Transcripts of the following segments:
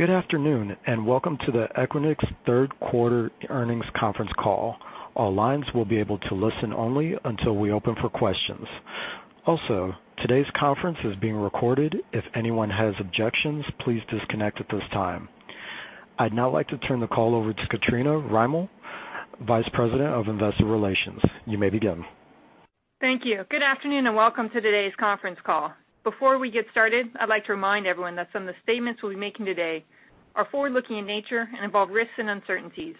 Good afternoon, and welcome to the Equinix third quarter earnings conference call. All lines will be able to listen only until we open for questions. Also, today's conference is being recorded. If anyone has objections, please disconnect at this time. I'd now like to turn the call over to Katrina Rymel, Vice President of Investor Relations. You may begin. Thank you. Good afternoon, welcome to today's conference call. Before we get started, I'd like to remind everyone that some of the statements we'll be making today are forward-looking in nature and involve risks and uncertainties.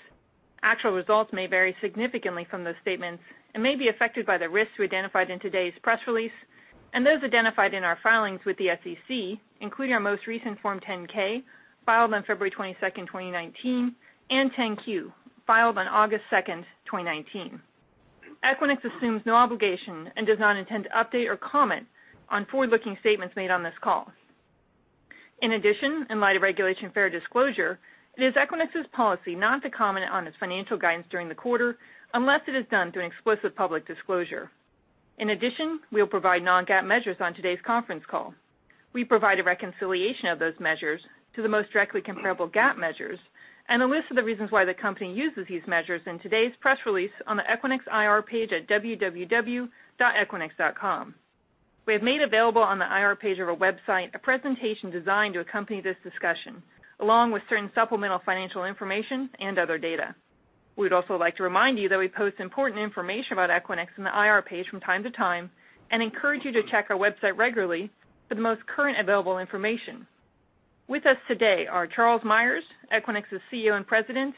Actual results may vary significantly from those statements and may be affected by the risks we identified in today's press release and those identified in our filings with the SEC, including our most recent Form 10-K, filed on February 22, 2019, and 10-Q, filed on August 2, 2019. Equinix assumes no obligation and does not intend to update or comment on forward-looking statements made on this call. In light of Regulation FD, it is Equinix's policy not to comment on its financial guidance during the quarter unless it is done through an explicit public disclosure. We will provide non-GAAP measures on today's conference call. We provide a reconciliation of those measures to the most directly comparable GAAP measures and a list of the reasons why the company uses these measures in today's press release on the Equinix IR page at www.equinix.com. We have made available on the IR page of our website a presentation designed to accompany this discussion, along with certain supplemental financial information and other data. We'd also like to remind you that we post important information about Equinix in the IR page from time to time and encourage you to check our website regularly for the most current available information. With us today are Charles Meyers, Equinix's CEO and President,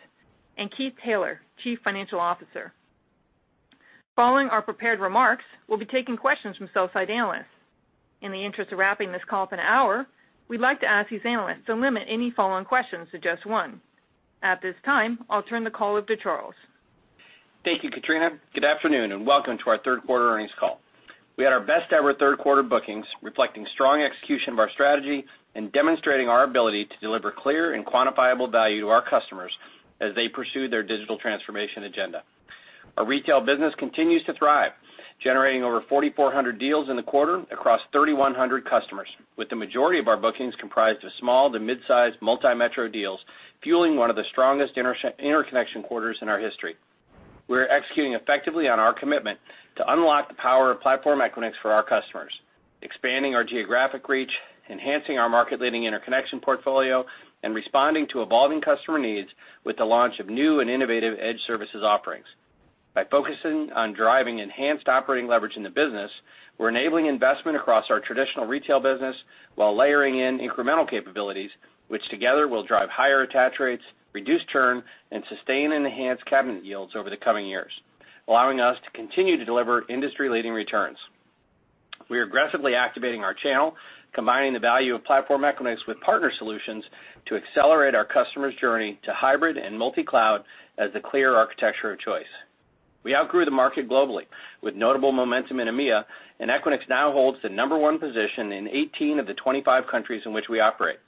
and Keith Taylor, Chief Financial Officer. Following our prepared remarks, we'll be taking questions from sell side analysts. In the interest of wrapping this call up in an hour, we'd like to ask these analysts to limit any follow-on questions to just one. At this time, I'll turn the call over to Charles. Thank you, Katrina. Good afternoon, welcome to our third quarter earnings call. We had our best ever third quarter bookings, reflecting strong execution of our strategy and demonstrating our ability to deliver clear and quantifiable value to our customers as they pursue their digital transformation agenda. Our retail business continues to thrive, generating over 4,400 deals in the quarter across 3,100 customers, with the majority of our bookings comprised of small to mid-size multi-metro deals, fueling one of the strongest interconnection quarters in our history. We're executing effectively on our commitment to unlock the power of Platform Equinix for our customers, expanding our geographic reach, enhancing our market leading interconnection portfolio, and responding to evolving customer needs with the launch of new and innovative edge services offerings. By focusing on driving enhanced operating leverage in the business, we're enabling investment across our traditional retail business while layering in incremental capabilities, which together will drive higher attach rates, reduce churn, and sustain enhanced cabinet yields over the coming years, allowing us to continue to deliver industry-leading returns. We are aggressively activating our channel, combining the value of Platform Equinix with partner solutions to accelerate our customers' journey to hybrid and multi-cloud as the clear architecture of choice. We outgrew the market globally with notable momentum in EMEA. Equinix now holds the number 1 position in 18 of the 25 countries in which we operate.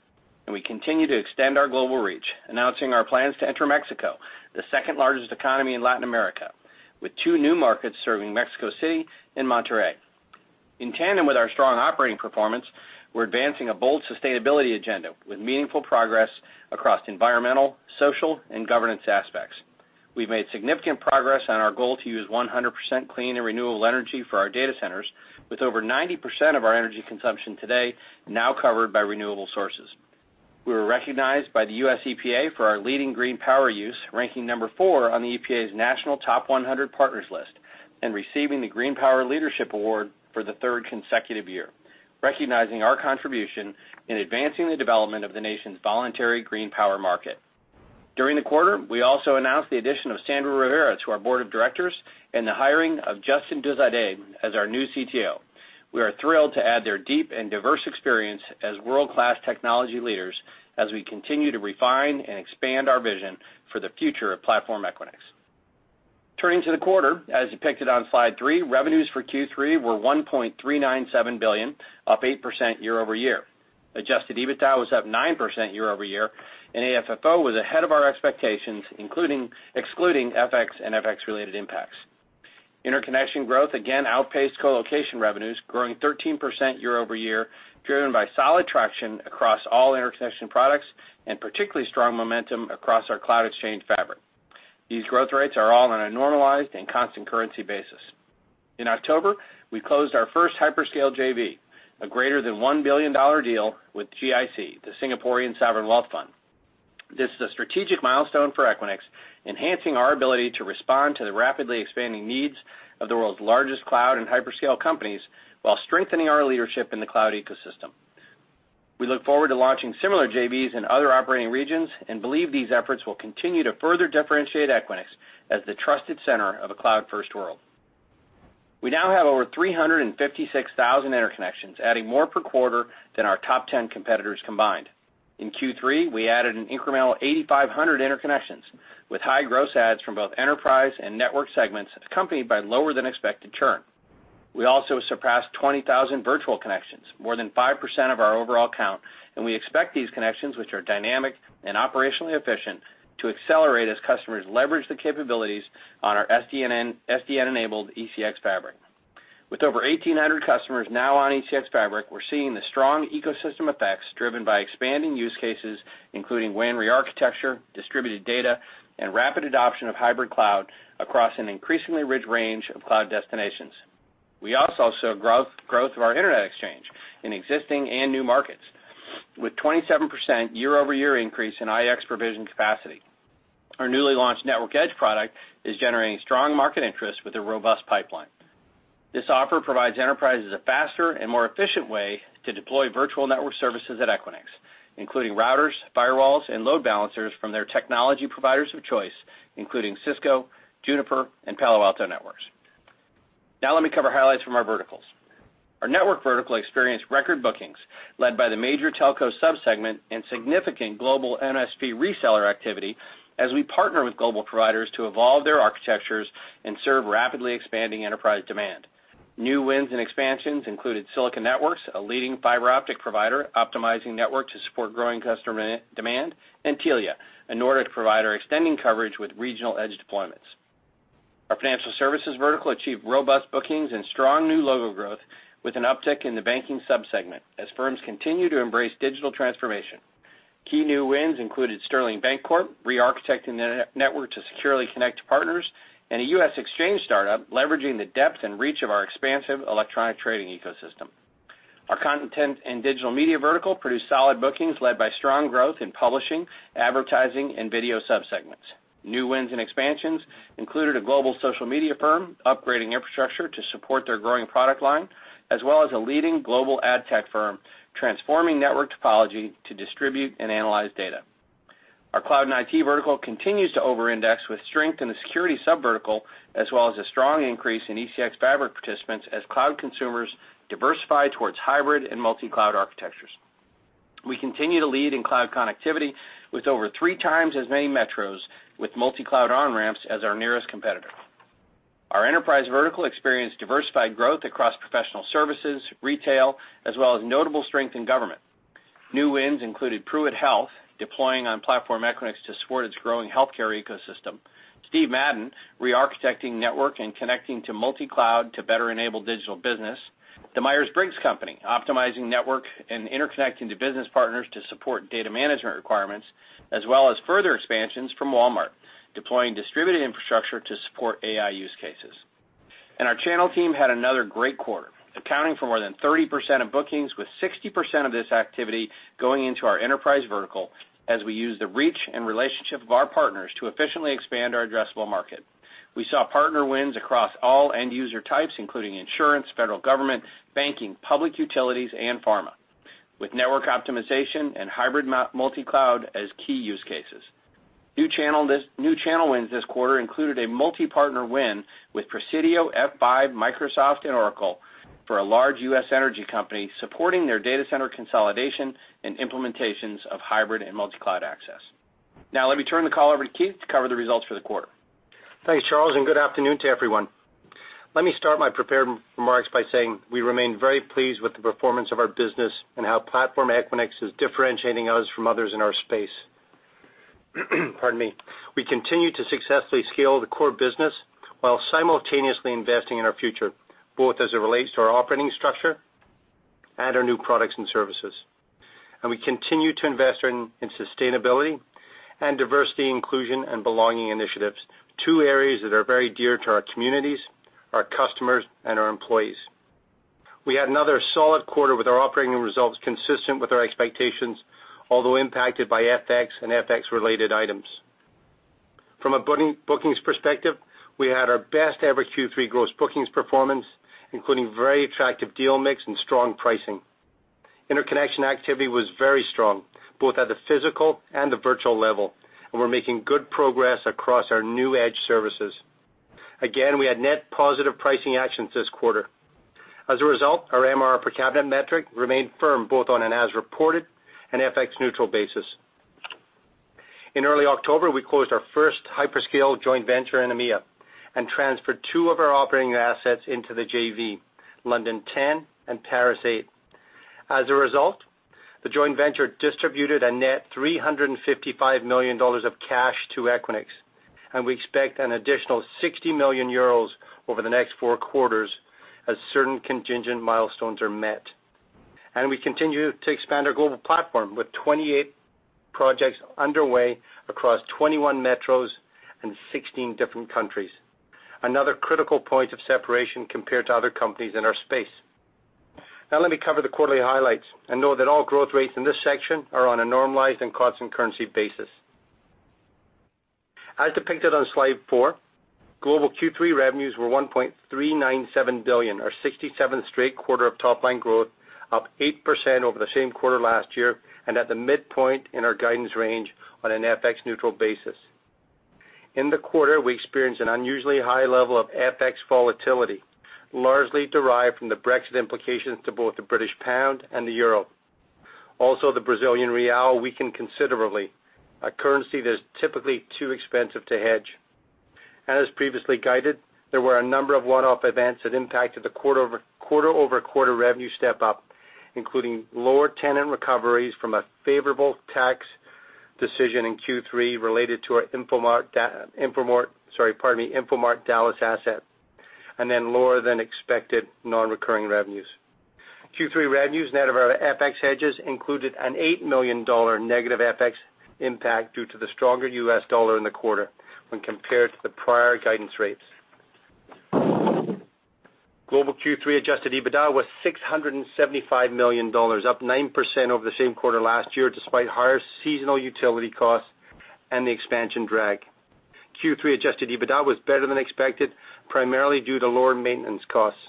We continue to extend our global reach, announcing our plans to enter Mexico, the second largest economy in Latin America, with two new markets serving Mexico City and Monterrey. In tandem with our strong operating performance, we're advancing a bold sustainability agenda with meaningful progress across environmental, social, and governance aspects. We've made significant progress on our goal to use 100% clean and renewable energy for our data centers with over 90% of our energy consumption today now covered by renewable sources. We were recognized by the U.S. EPA for our leading green power use, ranking number 4 on the EPA's National Top 100 Partners list and receiving the Green Power Leadership Award for the third consecutive year, recognizing our contribution in advancing the development of the nation's voluntary green power market. During the quarter, we also announced the addition of Sandra Rivera to our board of directors and the hiring of Justin Dustzadeh as our new CTO. We are thrilled to add their deep and diverse experience as world-class technology leaders as we continue to refine and expand our vision for the future of Platform Equinix. Turning to the quarter, as depicted on slide three, revenues for Q3 were $1.397 billion, up 8% year-over-year. Adjusted EBITDA was up 9% year-over-year, and AFFO was ahead of our expectations, excluding FX and FX-related impacts. Interconnection growth again outpaced colocation revenues, growing 13% year-over-year, driven by solid traction across all interconnection products and particularly strong momentum across our Cloud Exchange Fabric. These growth rates are all on a normalized and constant currency basis. In October, we closed our first hyperscale JV, a greater than $1 billion deal with GIC, the Singaporean sovereign wealth fund. This is a strategic milestone for Equinix, enhancing our ability to respond to the rapidly expanding needs of the world's largest cloud and hyperscale companies while strengthening our leadership in the cloud ecosystem. We look forward to launching similar JVs in other operating regions and believe these efforts will continue to further differentiate Equinix as the trusted center of a cloud-first world. We now have over 356,000 interconnections, adding more per quarter than our top 10 competitors combined. In Q3, we added an incremental 8,500 interconnections with high gross adds from both enterprise and network segments, accompanied by lower than expected churn. We also surpassed 20,000 virtual connections, more than 5% of our overall count. We expect these connections, which are dynamic and operationally efficient, to accelerate as customers leverage the capabilities on our SDN-enabled ECX Fabric. With over 1,800 customers now on ECX Fabric, we're seeing the strong ecosystem effects driven by expanding use cases, including WAN re-architecture, distributed data, and rapid adoption of hybrid cloud across an increasingly rich range of cloud destinations. We also saw growth of our internet exchange in existing and new markets, with 27% year-over-year increase in IX provision capacity. Our newly launched Network Edge product is generating strong market interest with a robust pipeline. This offer provides enterprises a faster and more efficient way to deploy virtual network services at Equinix, including routers, firewalls, and load balancers from their technology providers of choice, including Cisco, Juniper, and Palo Alto Networks. Now let me cover highlights from our verticals. Our network vertical experienced record bookings led by the major telco sub-segment and significant global MSP reseller activity as we partner with global providers to evolve their architectures and serve rapidly expanding enterprise demand. New wins and expansions included Silicon Networks, a leading fiber optic provider, optimizing network to support growing customer demand, and Telia, a Nordic provider extending coverage with regional edge deployments. Our financial services vertical achieved robust bookings and strong new logo growth with an uptick in the banking sub-segment as firms continue to embrace digital transformation. Key new wins included Sterling Bancorp re-architecting their network to securely connect to partners, and a U.S. exchange startup leveraging the depth and reach of our expansive electronic trading ecosystem. Our content and digital media vertical produced solid bookings led by strong growth in publishing, advertising, and video sub-segments. New wins and expansions included a global social media firm upgrading infrastructure to support their growing product line, as well as a leading global ad tech firm transforming network topology to distribute and analyze data. Our cloud and IT vertical continues to over-index with strength in the security sub-vertical, as well as a strong increase in ECX Fabric participants as cloud consumers diversify towards hybrid and multi-cloud architectures. We continue to lead in cloud connectivity with over three times as many metros with multi-cloud on-ramps as our nearest competitor. Our enterprise vertical experienced diversified growth across professional services, retail, as well as notable strength in government. New wins included PruittHealth deploying on Platform Equinix to support its growing healthcare ecosystem, Steve Madden re-architecting network and connecting to multi-cloud to better enable digital business, the Myers-Briggs Company optimizing network and interconnecting to business partners to support data management requirements, as well as further expansions from Walmart, deploying distributed infrastructure to support AI use cases. Our channel team had another great quarter, accounting for more than 30% of bookings, with 60% of this activity going into our enterprise vertical as we use the reach and relationship of our partners to efficiently expand our addressable market. We saw partner wins across all end user types, including insurance, federal government, banking, public utilities and pharma, with network optimization and hybrid multi-cloud as key use cases. New channel wins this quarter included a multi-partner win with Presidio, F5, Microsoft and Oracle for a large U.S. energy company supporting their data center consolidation and implementations of hybrid and multi-cloud access. Now let me turn the call over to Keith to cover the results for the quarter. Thanks, Charles, and good afternoon to everyone. Let me start my prepared remarks by saying we remain very pleased with the performance of our business and how Platform Equinix is differentiating us from others in our space. Pardon me. We continue to successfully scale the core business while simultaneously investing in our future, both as it relates to our operating structure and our new products and services. We continue to invest in sustainability and diversity, inclusion and belonging initiatives, two areas that are very dear to our communities, our customers and our employees. We had another solid quarter with our operating results consistent with our expectations, although impacted by FX and FX related items. From a bookings perspective, we had our best ever Q3 gross bookings performance, including very attractive deal mix and strong pricing. Interconnection activity was very strong, both at the physical and the virtual level, and we're making good progress across our new Edge services. We had net positive pricing actions this quarter. Our MRR per cabinet metric remained firm both on an as-reported and FX-neutral basis. In early October, we closed our first hyperscale joint venture in EMEA and transferred two of our operating assets into the JV, London 10 and Paris 8. The joint venture distributed a net $355 million of cash to Equinix, and we expect an additional 60 million euros over the next four quarters as certain contingent milestones are met. We continue to expand our global platform with 28 projects underway across 21 metros and 16 different countries. Another critical point of separation compared to other companies in our space. Now let me cover the quarterly highlights and note that all growth rates in this section are on a normalized and constant currency basis. As depicted on slide four, global Q3 revenues were $1.397 billion, our 67th straight quarter of top-line growth, up 8% over the same quarter last year and at the midpoint in our guidance range on an FX neutral basis. In the quarter, we experienced an unusually high level of FX volatility, largely derived from the Brexit implications to both the British pound and the euro. Also, the Brazilian real weakened considerably, a currency that is typically too expensive to hedge. As previously guided, there were a number of one-off events that impacted the quarter-over-quarter revenue step-up, including lower tenant recoveries from a favorable tax decision in Q3 related to our Infomart Dallas asset, and then lower than expected non-recurring revenues. Q3 revenues net of our FX hedges included an $8 million negative FX impact due to the stronger U.S. dollar in the quarter when compared to the prior guidance rates. Global Q3 adjusted EBITDA was $675 million, up 9% over the same quarter last year, despite higher seasonal utility costs and the expansion drag. Q3 adjusted EBITDA was better than expected, primarily due to lower maintenance costs.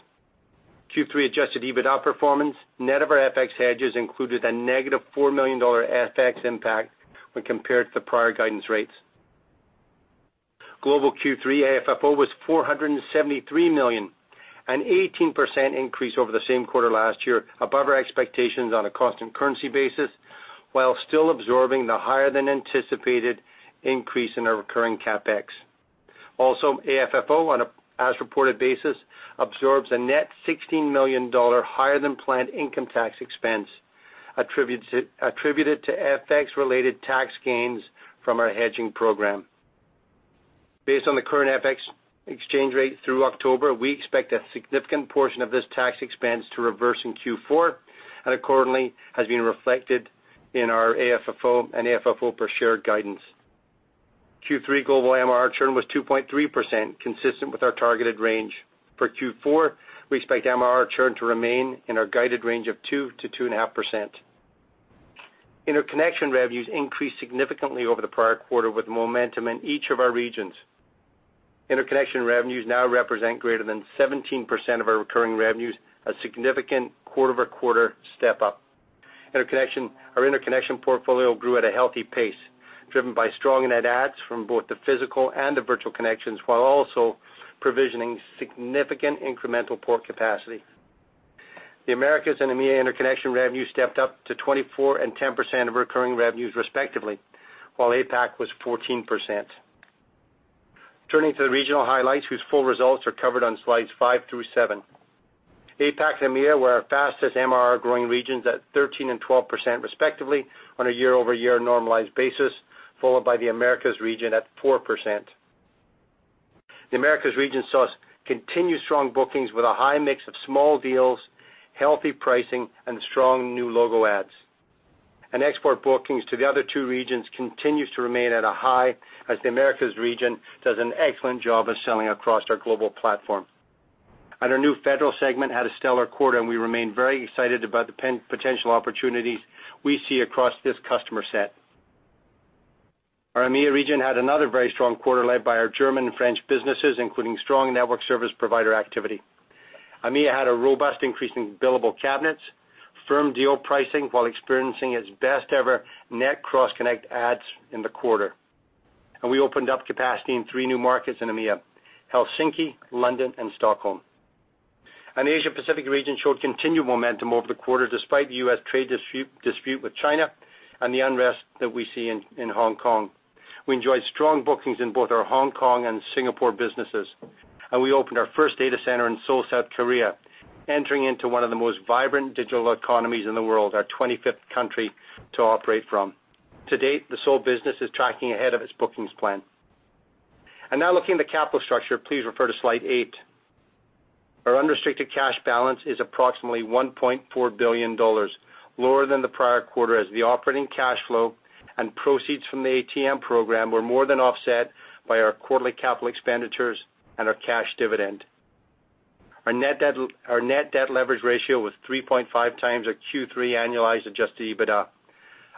Q3 adjusted EBITDA performance net of our FX hedges included a negative $4 million FX impact when compared to the prior guidance rates. Global Q3 AFFO was $473 million, an 18% increase over the same quarter last year, above our expectations on a cost and currency basis, while still absorbing the higher than anticipated increase in our recurring CapEx. Also, AFFO on as reported basis absorbs a net $16 million higher than planned income tax expense attributed to FX-related tax gains from our hedging program. Based on the current FX exchange rate through October, we expect a significant portion of this tax expense to reverse in Q4, and accordingly, has been reflected in our AFFO and AFFO per share guidance. Q3 global MRR churn was 2.3%, consistent with our targeted range. For Q4, we expect MRR churn to remain in our guided range of 2%-2.5%. interconnection revenues increased significantly over the prior quarter, with momentum in each of our regions. interconnection revenues now represent greater than 17% of our recurring revenues, a significant quarter-over-quarter step up. Our interconnection portfolio grew at a healthy pace, driven by strong net adds from both the physical and the virtual connections, while also provisioning significant incremental port capacity. The Americas and EMEA interconnection revenue stepped up to 24% and 10% of recurring revenues respectively, while APAC was 14%. Turning to the regional highlights, whose full results are covered on slides five through seven. APAC and EMEA were our fastest MRR growing regions at 13% and 12% respectively on a year-over-year normalized basis, followed by the Americas region at 4%. The Americas region saw continued strong bookings with a high mix of small deals, healthy pricing, and strong new logo adds. Export bookings to the other two regions continues to remain at a high as the Americas region does an excellent job of selling across our global platform. Our new federal segment had a stellar quarter, and we remain very excited about the potential opportunities we see across this customer set. Our EMEA region had another very strong quarter led by our German and French businesses, including strong network service provider activity. EMEA had a robust increase in billable cabinets, firm deal pricing while experiencing its best ever net cross-connect adds in the quarter. We opened up capacity in three new markets in EMEA: Helsinki, London, and Stockholm. The Asia Pacific region showed continued momentum over the quarter, despite the U.S. trade dispute with China and the unrest that we see in Hong Kong. We enjoyed strong bookings in both our Hong Kong and Singapore businesses. We opened our first data center in Seoul, South Korea, entering into one of the most vibrant digital economies in the world, our 25th country to operate from. To date, the Seoul business is tracking ahead of its bookings plan. Now looking at the capital structure, please refer to slide 8. Our unrestricted cash balance is approximately $1.4 billion, lower than the prior quarter as the operating cash flow and proceeds from the ATM program were more than offset by our quarterly capital expenditures and our cash dividend. Our net debt leverage ratio was 3.5 times our Q3 annualized adjusted EBITDA,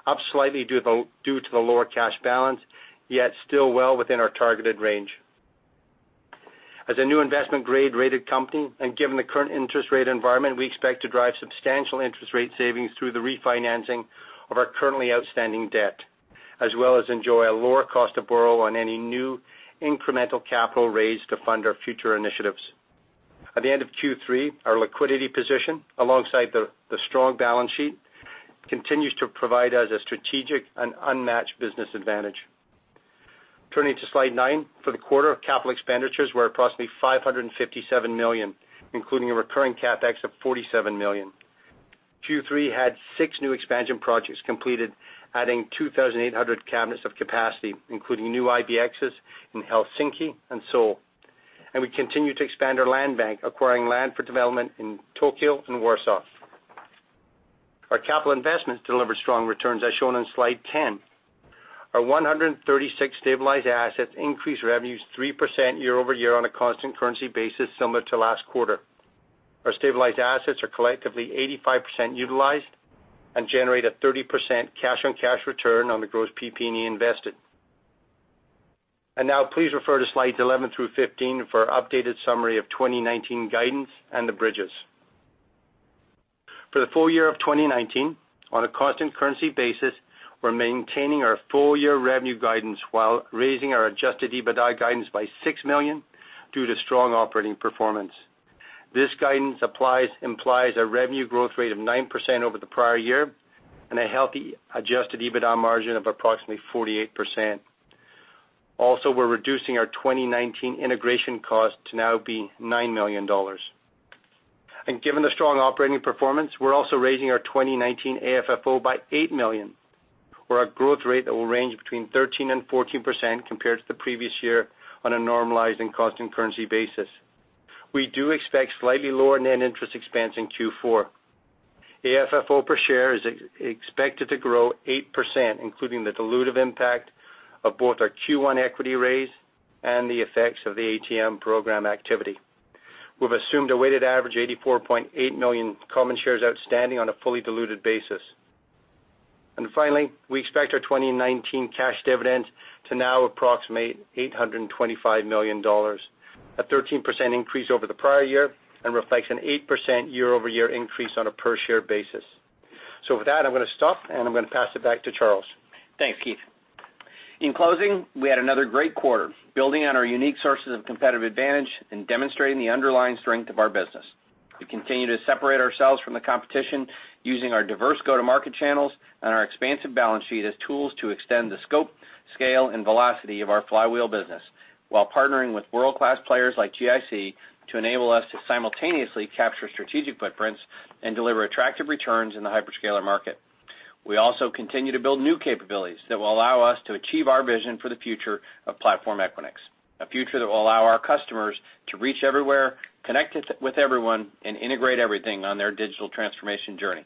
up slightly due to the lower cash balance, yet still well within our targeted range. As a new investment-grade rated company and given the current interest rate environment, we expect to drive substantial interest rate savings through the refinancing of our currently outstanding debt, as well as enjoy a lower cost of borrow on any new incremental capital raised to fund our future initiatives. At the end of Q3, our liquidity position, alongside the strong balance sheet, continues to provide us a strategic and unmatched business advantage. Turning to slide nine. For the quarter, capital expenditures were approximately $557 million, including a recurring CapEx of $47 million. Q3 had six new expansion projects completed, adding 2,800 cabinets of capacity, including new IBXs in Helsinki and Seoul. We continue to expand our land bank, acquiring land for development in Tokyo and Warsaw. Our capital investments delivered strong returns, as shown on slide 10. Our 136 stabilized assets increased revenues 3% year-over-year on a constant currency basis, similar to last quarter. Our stabilized assets are collectively 85% utilized and generate a 30% cash-on-cash return on the gross PP&E invested. Now please refer to slides 11 through 15 for updated summary of 2019 guidance and the bridges. For the full year of 2019, on a constant currency basis, we're maintaining our full-year revenue guidance while raising our adjusted EBITDA guidance by $6 million due to strong operating performance. This guidance implies a revenue growth rate of 9% over the prior year and a healthy adjusted EBITDA margin of approximately 48%. We're reducing our 2019 integration cost to now be $9 million. Given the strong operating performance, we're also raising our 2019 AFFO by $8 million, for a growth rate that will range between 13% and 14% compared to the previous year on a normalized and constant currency basis. We do expect slightly lower net interest expense in Q4. AFFO per share is expected to grow 8%, including the dilutive impact of both our Q1 equity raise and the effects of the ATM program activity. We've assumed a weighted average 84.8 million common shares outstanding on a fully diluted basis. Finally, we expect our 2019 cash dividend to now approximate $825 million, a 13% increase over the prior year and reflects an 8% year-over-year increase on a per-share basis. With that, I'm going to stop, and I'm going to pass it back to Charles. Thanks, Keith. In closing, we had another great quarter, building on our unique sources of competitive advantage and demonstrating the underlying strength of our business. We continue to separate ourselves from the competition using our diverse go-to-market channels and our expansive balance sheet as tools to extend the scope, scale, and velocity of our flywheel business while partnering with world-class players like GIC to enable us to simultaneously capture strategic footprints and deliver attractive returns in the hyperscaler market. We also continue to build new capabilities that will allow us to achieve our vision for the future of Platform Equinix, a future that will allow our customers to reach everywhere, connect with everyone, and integrate everything on their digital transformation journey.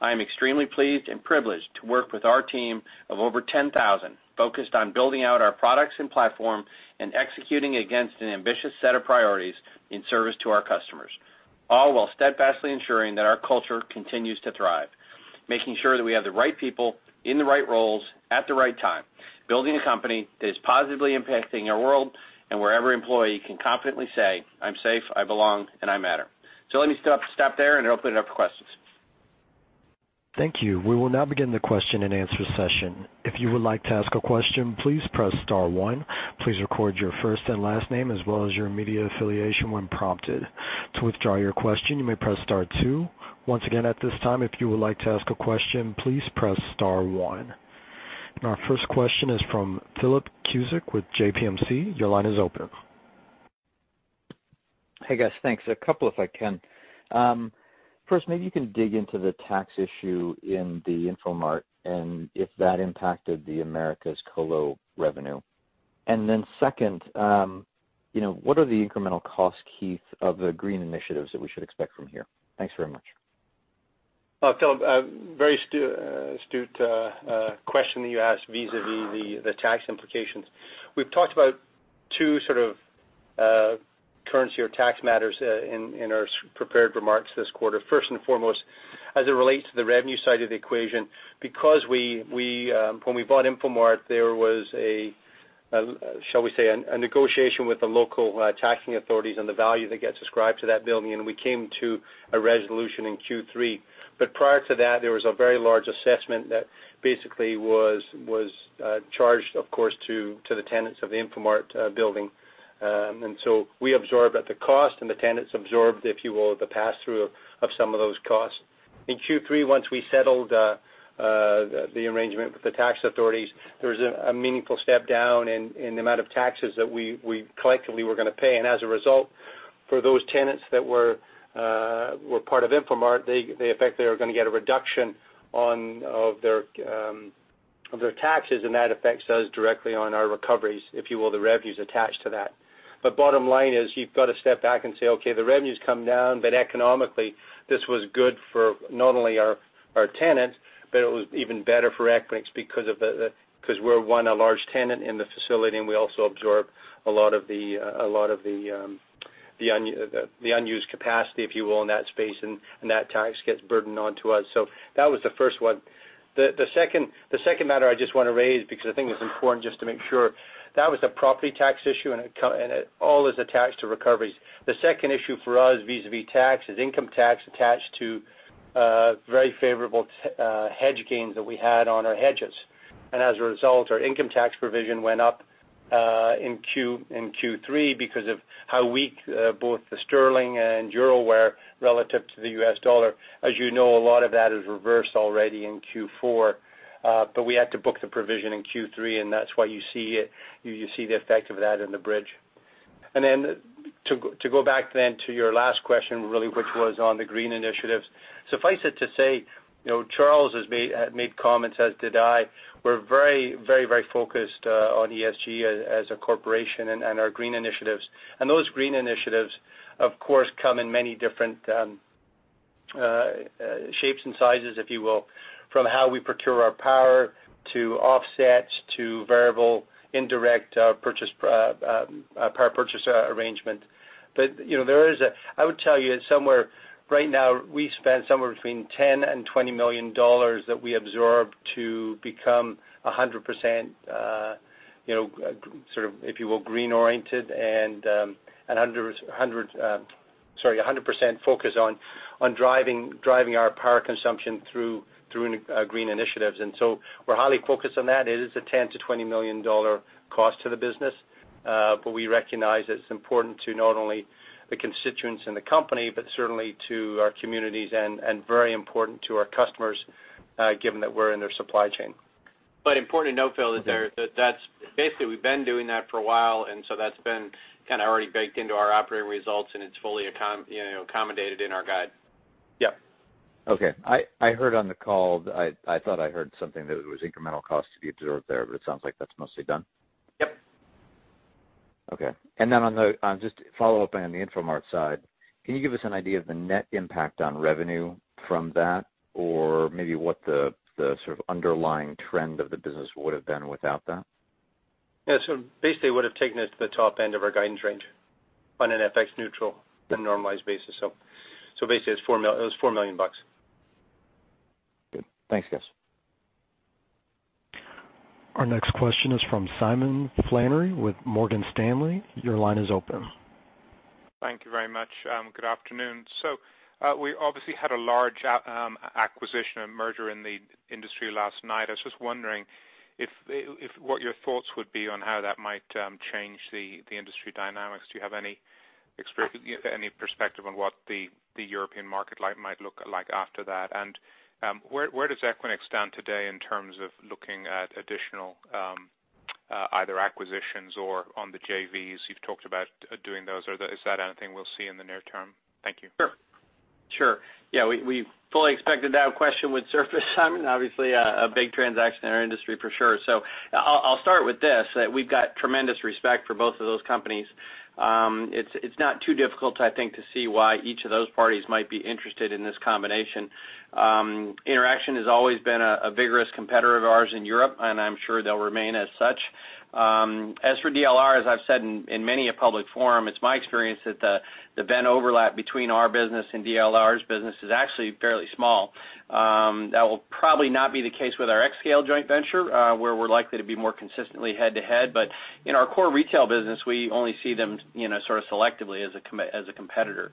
I am extremely pleased and privileged to work with our team of over 10,000 focused on building out our products and platform and executing against an ambitious set of priorities in service to our customers, all while steadfastly ensuring that our culture continues to thrive, making sure that we have the right people in the right roles at the right time, building a company that is positively impacting our world and where every employee can confidently say, "I'm safe, I belong, and I matter." Let me stop there, and open it up for questions. Thank you. We will now begin the question-and-answer session. If you would like to ask a question, please press star one. Please record your first and last name as well as your media affiliation when prompted. To withdraw your question, you may press star two. Once again, at this time, if you would like to ask a question, please press star one. Our first question is from Philip Cusick with JPMorgan. Your line is open. Hey, guys. Thanks. A couple, if I can. First, maybe you can dig into the tax issue in the Infomart and if that impacted the Americas colo revenue. Second, what are the incremental costs, Keith, of the green initiatives that we should expect from here? Thanks very much. Philip, very astute question that you asked vis-a-vis the tax implications. We've talked about two sort of currency or tax matters in our prepared remarks this quarter. First and foremost, as it relates to the revenue side of the equation, because when we bought Infomart, there was a, shall we say, a negotiation with the local taxing authorities on the value that gets ascribed to that building, and we came to a resolution in Q3. Prior to that, there was a very large assessment that basically was charged, of course, to the tenants of the Infomart building. We absorbed the cost and the tenants absorbed, if you will, the pass-through of some of those costs. In Q3, once we settled the arrangement with the tax authorities, there was a meaningful step down in the amount of taxes that we collectively were going to pay. As a result, for those tenants that were part of Infomart, they in fact are going to get a reduction of their taxes, and that affects us directly on our recoveries, if you will, the revenues attached to that. Bottom line is you've got to step back and say, okay, the revenue's come down, but economically, this was good for not only our tenants, but it was even better for Equinix because we're, one, a large tenant in the facility, and we also absorb a lot of the unused capacity, if you will, in that space, and that tax gets burdened onto us. That was the first one. The second matter I just want to raise, because I think it's important just to make sure. That was a property tax issue, and all is attached to recoveries. The second issue for us vis-a-vis tax is income tax attached to very favorable hedge gains that we had on our hedges. As a result, our income tax provision went up in Q3 because of how weak both the sterling and euro were relative to the U.S. dollar. As you know, a lot of that is reversed already in Q4. We had to book the provision in Q3, and that's why you see the effect of that in the bridge. Then to go back then to your last question, really, which was on the green initiatives. Suffice it to say, Charles has made comments, as did I. We're very focused on ESG as a corporation and our green initiatives. Those green initiatives, of course, come in many different shapes and sizes, if you will, from how we procure our power to offsets to variable indirect power purchase arrangement. I would tell you right now, we spend somewhere between $10 million and $20 million that we absorb to become 100%, if you will, green-oriented and 100% focused on driving our power consumption through green initiatives. It is a $10 million to $20 million cost to the business. We recognize it's important to not only the constituents in the company, but certainly to our communities and very important to our customers, given that we're in their supply chain. Important to note, Phil, is that basically we've been doing that for a while, and so that's been kind of already baked into our operating results, and it's fully accommodated in our guide. Yep. Okay. I heard on the call, I thought I heard something that it was incremental cost to be absorbed there, but it sounds like that's mostly done. Yep. Okay. Then just to follow up on the Infomart side, can you give us an idea of the net impact on revenue from that, or maybe what the sort of underlying trend of the business would've been without that? Yeah. Basically, it would've taken us to the top end of our guidance range on an FX neutral and normalized basis. Basically, it was $4 million. Good. Thanks, guys. Our next question is from Simon Flannery with Morgan Stanley. Your line is open. Thank you very much. Good afternoon. We obviously had a large acquisition and merger in the industry last night. I was just wondering what your thoughts would be on how that might change the industry dynamics. Do you have any perspective on what the European market might look like after that? Where does Equinix stand today in terms of looking at additional, either acquisitions or on the JVs? You've talked about doing those. Is that anything we'll see in the near term? Thank you. Sure. Yeah, we fully expected that question would surface Simon. Obviously, a big transaction in our industry, for sure. I'll start with this, that we've got tremendous respect for both of those companies. It's not too difficult, I think, to see why each of those parties might be interested in this combination. Interxion has always been a vigorous competitor of ours in Europe, and I'm sure they'll remain as such. As for DLR, as I've said in many a public forum, it's my experience that the vent overlap between our business and DLR's business is actually fairly small. That will probably not be the case with our xScale joint venture, where we're likely to be more consistently head-to-head. In our core retail business, we only see them sort of selectively as a competitor.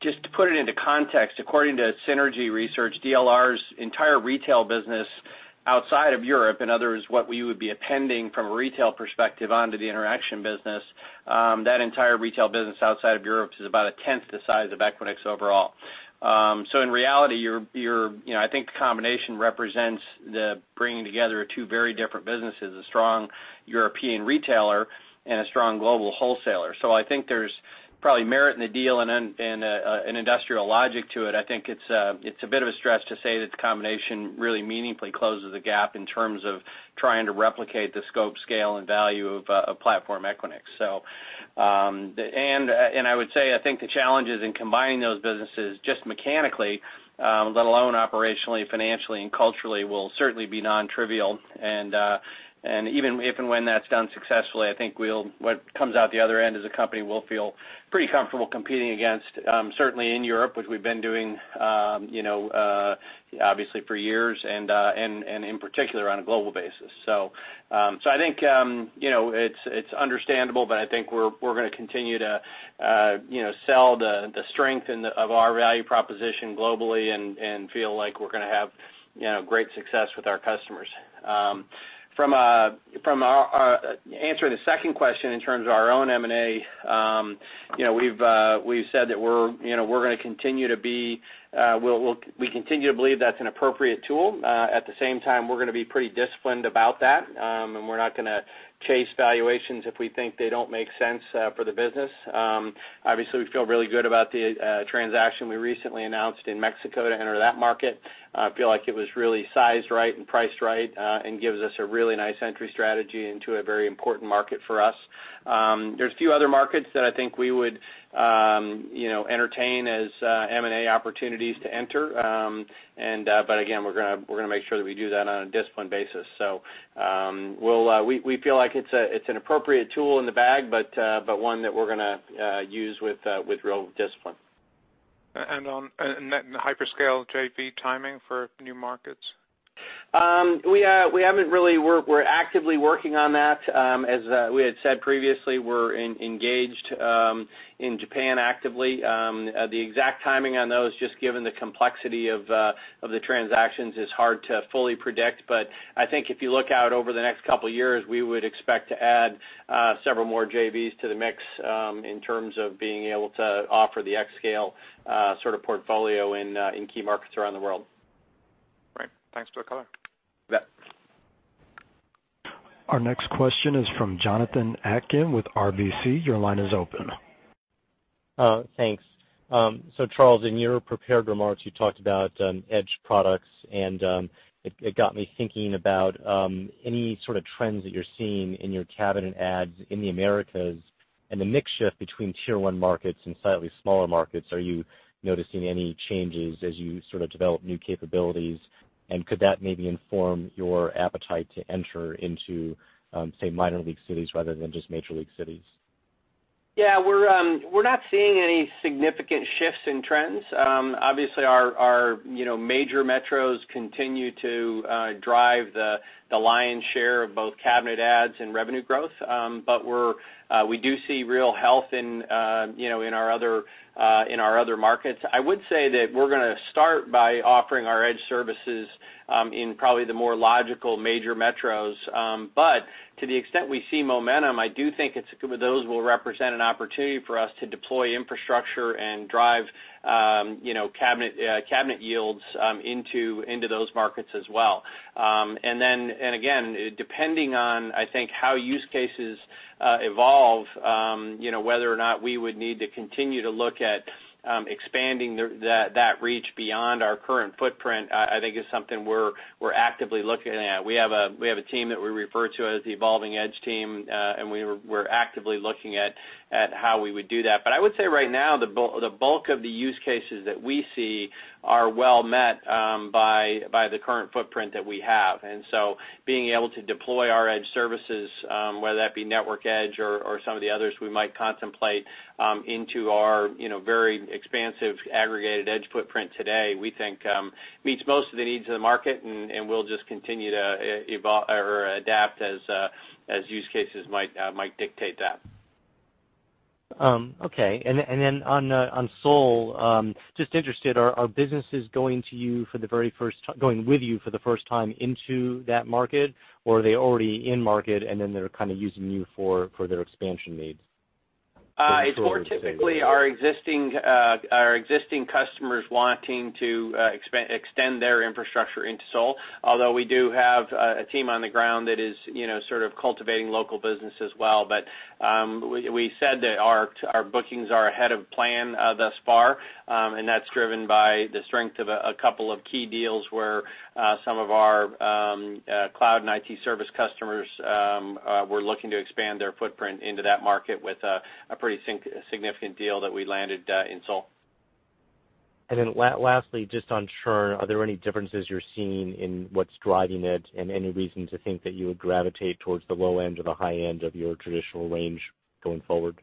Just to put it into context, according to Synergy Research, DLR's entire retail business outside of Europe, in other words, what we would be appending from a retail perspective onto the Interxion business, that entire retail business outside of Europe is about a 10th the size of Equinix overall. In reality, I think the combination represents the bringing together of two very different businesses, a strong European retailer and a strong global wholesaler. I think there's probably merit in the deal and an industrial logic to it. I think it's a bit of a stretch to say that the combination really meaningfully closes the gap in terms of trying to replicate the scope, scale, and value of Platform Equinix. I would say, I think the challenges in combining those businesses just mechanically, let alone operationally, financially, and culturally, will certainly be non-trivial. Even if and when that's done successfully, I think what comes out the other end as a company we'll feel pretty comfortable competing against, certainly in Europe, which we've been doing obviously for years, and in particular on a global basis. I think it's understandable, but I think we're going to continue to sell the strength of our value proposition globally and feel like we're going to have great success with our customers. To answer the second question in terms of our own M&A, we've said that we continue to believe that's an appropriate tool. At the same time, we're going to be pretty disciplined about that. We're not going to chase valuations if we think they don't make sense for the business. Obviously, we feel really good about the transaction we recently announced in Mexico to enter that market. Feel like it was really sized right and priced right, and gives us a really nice entry strategy into a very important market for us. There's a few other markets that I think we would entertain as M&A opportunities to enter. Again, we're going to make sure that we do that on a disciplined basis. We feel like it's an appropriate tool in the bag, but one that we're going to use with real discipline. On the hyperscale JV timing for new markets? We're actively working on that. As we had said previously, we're engaged in Japan actively. The exact timing on those, just given the complexity of the transactions, is hard to fully predict. I think if you look out over the next couple of years, we would expect to add several more JVs to the mix in terms of being able to offer the xScale sort of portfolio in key markets around the world. Great. Thanks. Talk later. Yep. Our next question is from Jonathan Atkin with RBC. Your line is open. Thanks. Charles, in your prepared remarks, you talked about edge products, and it got me thinking about any sort of trends that you're seeing in your cabinet adds in the Americas and the mix shift between Tier 1 markets and slightly smaller markets. Are you noticing any changes as you sort of develop new capabilities? Could that maybe inform your appetite to enter into, say, minor league cities rather than just major league cities? Yeah, we're not seeing any significant shifts in trends. Obviously our major metros continue to drive the lion's share of both cabinet adds and revenue growth. We do see real health in our other markets. I would say that we're going to start by offering our edge services in probably the more logical major metros. To the extent we see momentum, I do think those will represent an opportunity for us to deploy infrastructure and drive cabinet yields into those markets as well. Again, depending on, I think, how use cases evolve, whether or not we would need to continue to look at expanding that reach beyond our current footprint, I think is something we're actively looking at. We have a team that we refer to as the evolving edge team, and we're actively looking at how we would do that. I would say right now, the bulk of the use cases that we see are well met by the current footprint that we have. Being able to deploy our edge services, whether that be Network Edge or some of the others we might contemplate into our very expansive aggregated edge footprint today, we think meets most of the needs of the market, and we'll just continue to adapt as use cases might dictate that. Okay. On Seoul, just interested, are businesses going with you for the first time into that market, or are they already in market and then they're kind of using you for their expansion needs? It's more typically our existing customers wanting to extend their infrastructure into Seoul, although we do have a team on the ground that is sort of cultivating local business as well. We said that our bookings are ahead of plan thus far, and that's driven by the strength of a couple of key deals where some of our cloud and IT service customers were looking to expand their footprint into that market with a pretty significant deal that we landed in Seoul. Lastly, just on churn, are there any differences you're seeing in what's driving it, and any reason to think that you would gravitate towards the low end or the high end of your traditional range going forward?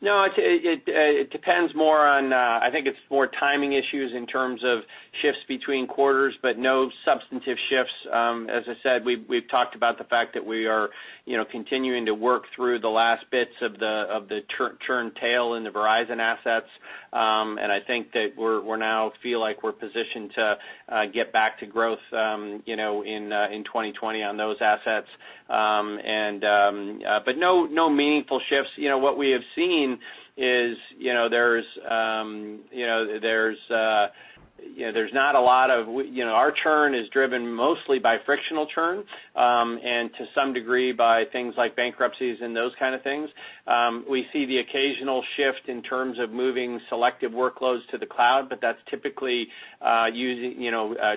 It depends more on, I think it's more timing issues in terms of shifts between quarters, but no substantive shifts. As I said, we've talked about the fact that we are continuing to work through the last bits of the churn tail in the Verizon assets. I think that we now feel like we're positioned to get back to growth in 2020 on those assets. No meaningful shifts. What we have seen is our churn is driven mostly by frictional churn, and to some degree by things like bankruptcies and those kind of things. We see the occasional shift in terms of moving selective workloads to the cloud, but that's typically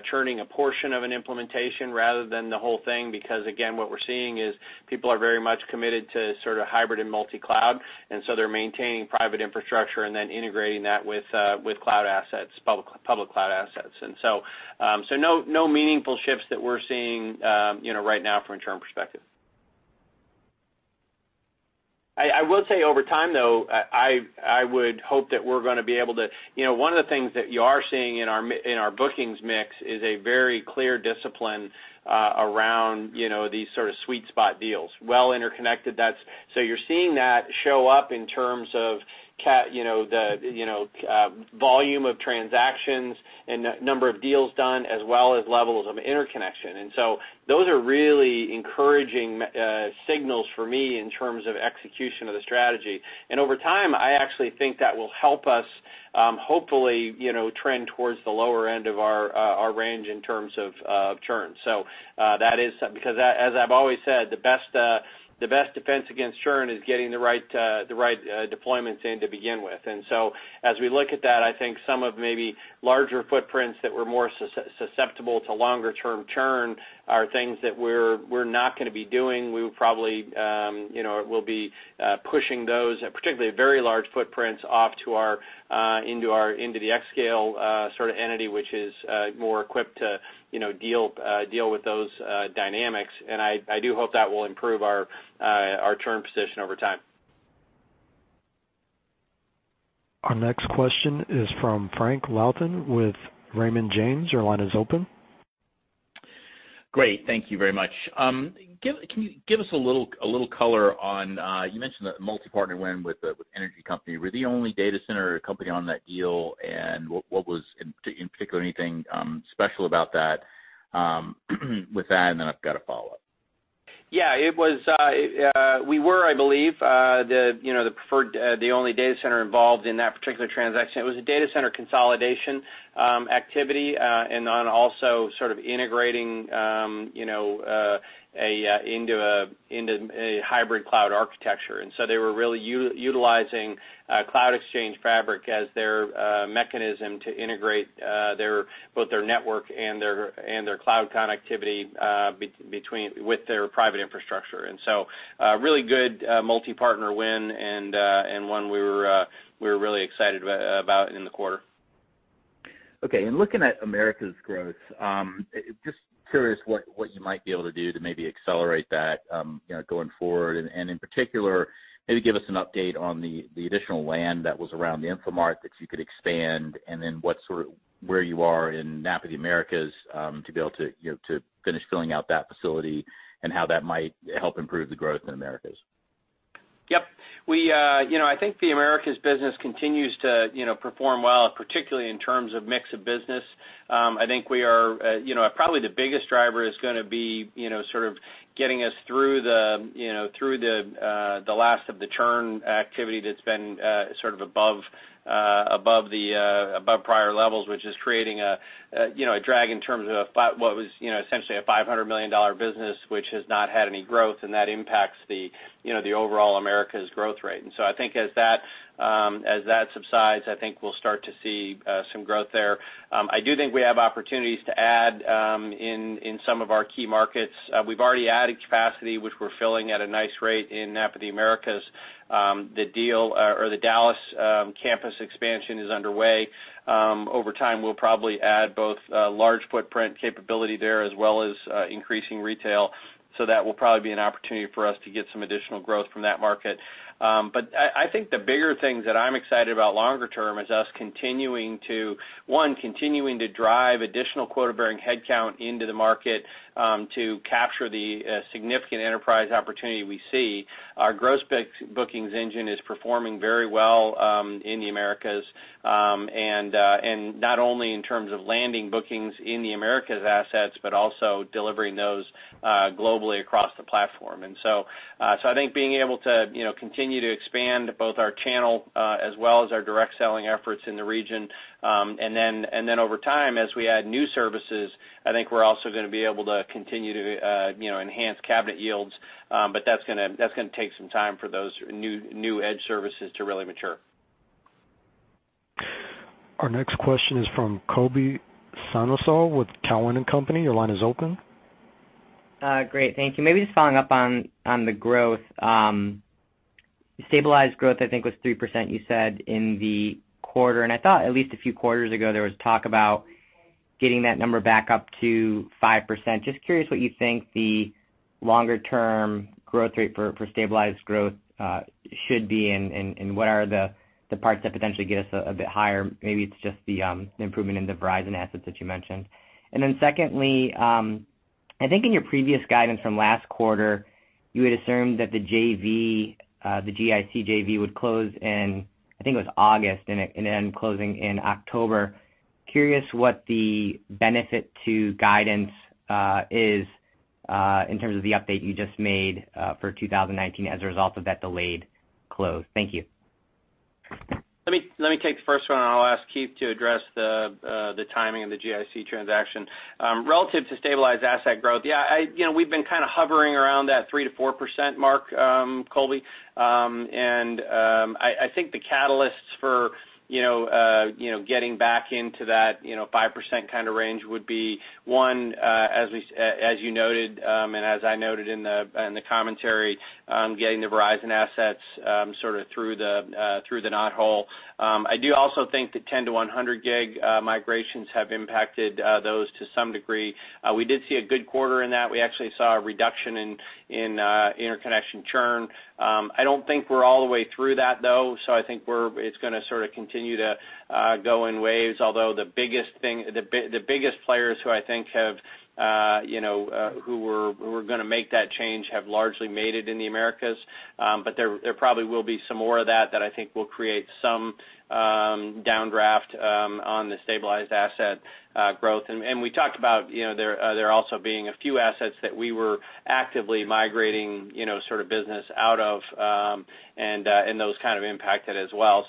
churning a portion of an implementation rather than the whole thing, because again, what we're seeing is people are very much committed to sort of hybrid and multi-cloud, and so they're maintaining private infrastructure and then integrating that with public cloud assets. No meaningful shifts that we're seeing right now from a churn perspective. I will say over time, though, I would hope that we're going to be able to One of the things that you are seeing in our bookings mix is a very clear discipline around these sort of sweet spot deals. Well interconnected. You're seeing that show up in terms of volume of transactions and number of deals done as well as levels of interconnection. Those are really encouraging signals for me in terms of execution of the strategy. Over time, I actually think that will help us hopefully trend towards the lower end of our range in terms of churn. Because as I've always said, the best defense against churn is getting the right deployments in to begin with. As we look at that, I think some of maybe larger footprints that were more susceptible to longer term churn are things that we're not going to be doing. We'll be pushing those, particularly very large footprints, off into the xScale sort of entity, which is more equipped to deal with those dynamics. I do hope that will improve our churn position over time. Our next question is from Frank Louthan with Raymond James. Your line is open. Great. Thank you very much. Can you give us a little color? You mentioned the multi-partner win with the energy company. Were they the only data center company on that deal? What was, in particular, anything special about that with that? I've got a follow-up. We were, I believe, the only data center involved in that particular transaction. It was a data center consolidation activity, and then also sort of integrating into a hybrid cloud architecture. They were really utilizing Cloud Exchange Fabric as their mechanism to integrate both their network and their cloud connectivity with their private infrastructure. Really good multi-partner win, and one we were really excited about in the quarter. Okay. Looking at Americas growth, just curious what you might be able to do to maybe accelerate that going forward. In particular, maybe give us an update on the additional land that was around the Infomart that you could expand, and then where you are in NAP of the Americas, to be able to finish filling out that facility, and how that might help improve the growth in Americas? Yep. I think the Americas business continues to perform well, particularly in terms of mix of business. Probably the biggest driver is going to be sort of getting us through the last of the churn activity that's been sort of above prior levels, which is creating a drag in terms of what was essentially a $500 million business, which has not had any growth, and that impacts the overall Americas growth rate. As that subsides, I think we'll start to see some growth there. I do think we have opportunities to add in some of our key markets. We've already added capacity, which we're filling at a nice rate in NAP of the Americas. The Dallas campus expansion is underway. Over time, we'll probably add both large footprint capability there as well as increasing retail. That will probably be an opportunity for us to get some additional growth from that market. I think the bigger things that I'm excited about longer term is us, one, continuing to drive additional quota-bearing headcount into the market to capture the significant enterprise opportunity we see. Our gross bookings engine is performing very well in the Americas. Not only in terms of landing bookings in the Americas assets, but also delivering those globally across the platform. I think being able to continue to expand both our channel as well as our direct selling efforts in the region. Then over time, as we add new services, I think we're also going to be able to continue to enhance cabinet yields. That's going to take some time for those new edge services to really mature. Our next question is from Colby Synesael with Cowen and Company. Your line is open. Great. Thank you. Maybe just following up on the growth. Stabilized growth, I think, was 3%, you said in the quarter, and I thought at least a few quarters ago, there was talk about getting that number back up to 5%. Just curious what you think the longer-term growth rate for stabilized growth should be, and what are the parts that potentially get us a bit higher? Maybe it's just the improvement in the Verizon assets that you mentioned. Secondly, I think in your previous guidance from last quarter, you had assumed that the GIC JV would close in, I think it was August, then closing in October. Curious what the benefit to guidance is in terms of the update you just made for 2019 as a result of that delayed close. Thank you. Let me take the first one, and I'll ask Keith to address the timing of the GIC transaction. Relative to stabilized asset growth, we've been kind of hovering around that 3%-4% mark, Colby. I think the catalysts for getting back into that 5% kind of range would be one, as you noted and as I noted in the commentary on getting the Verizon assets sort of through the knothole. I do also think the 10-100 gig migrations have impacted those to some degree. We did see a good quarter in that. We actually saw a reduction in interconnection churn. I don't think we're all the way through that, though, so I think it's going to sort of continue to go in waves, although the biggest players who were going to make that change have largely made it in the Americas. There probably will be some more of that I think will create some downdraft on the stabilized asset growth. We talked about there also being a few assets that we were actively migrating business out of, and those kind of impacted as well.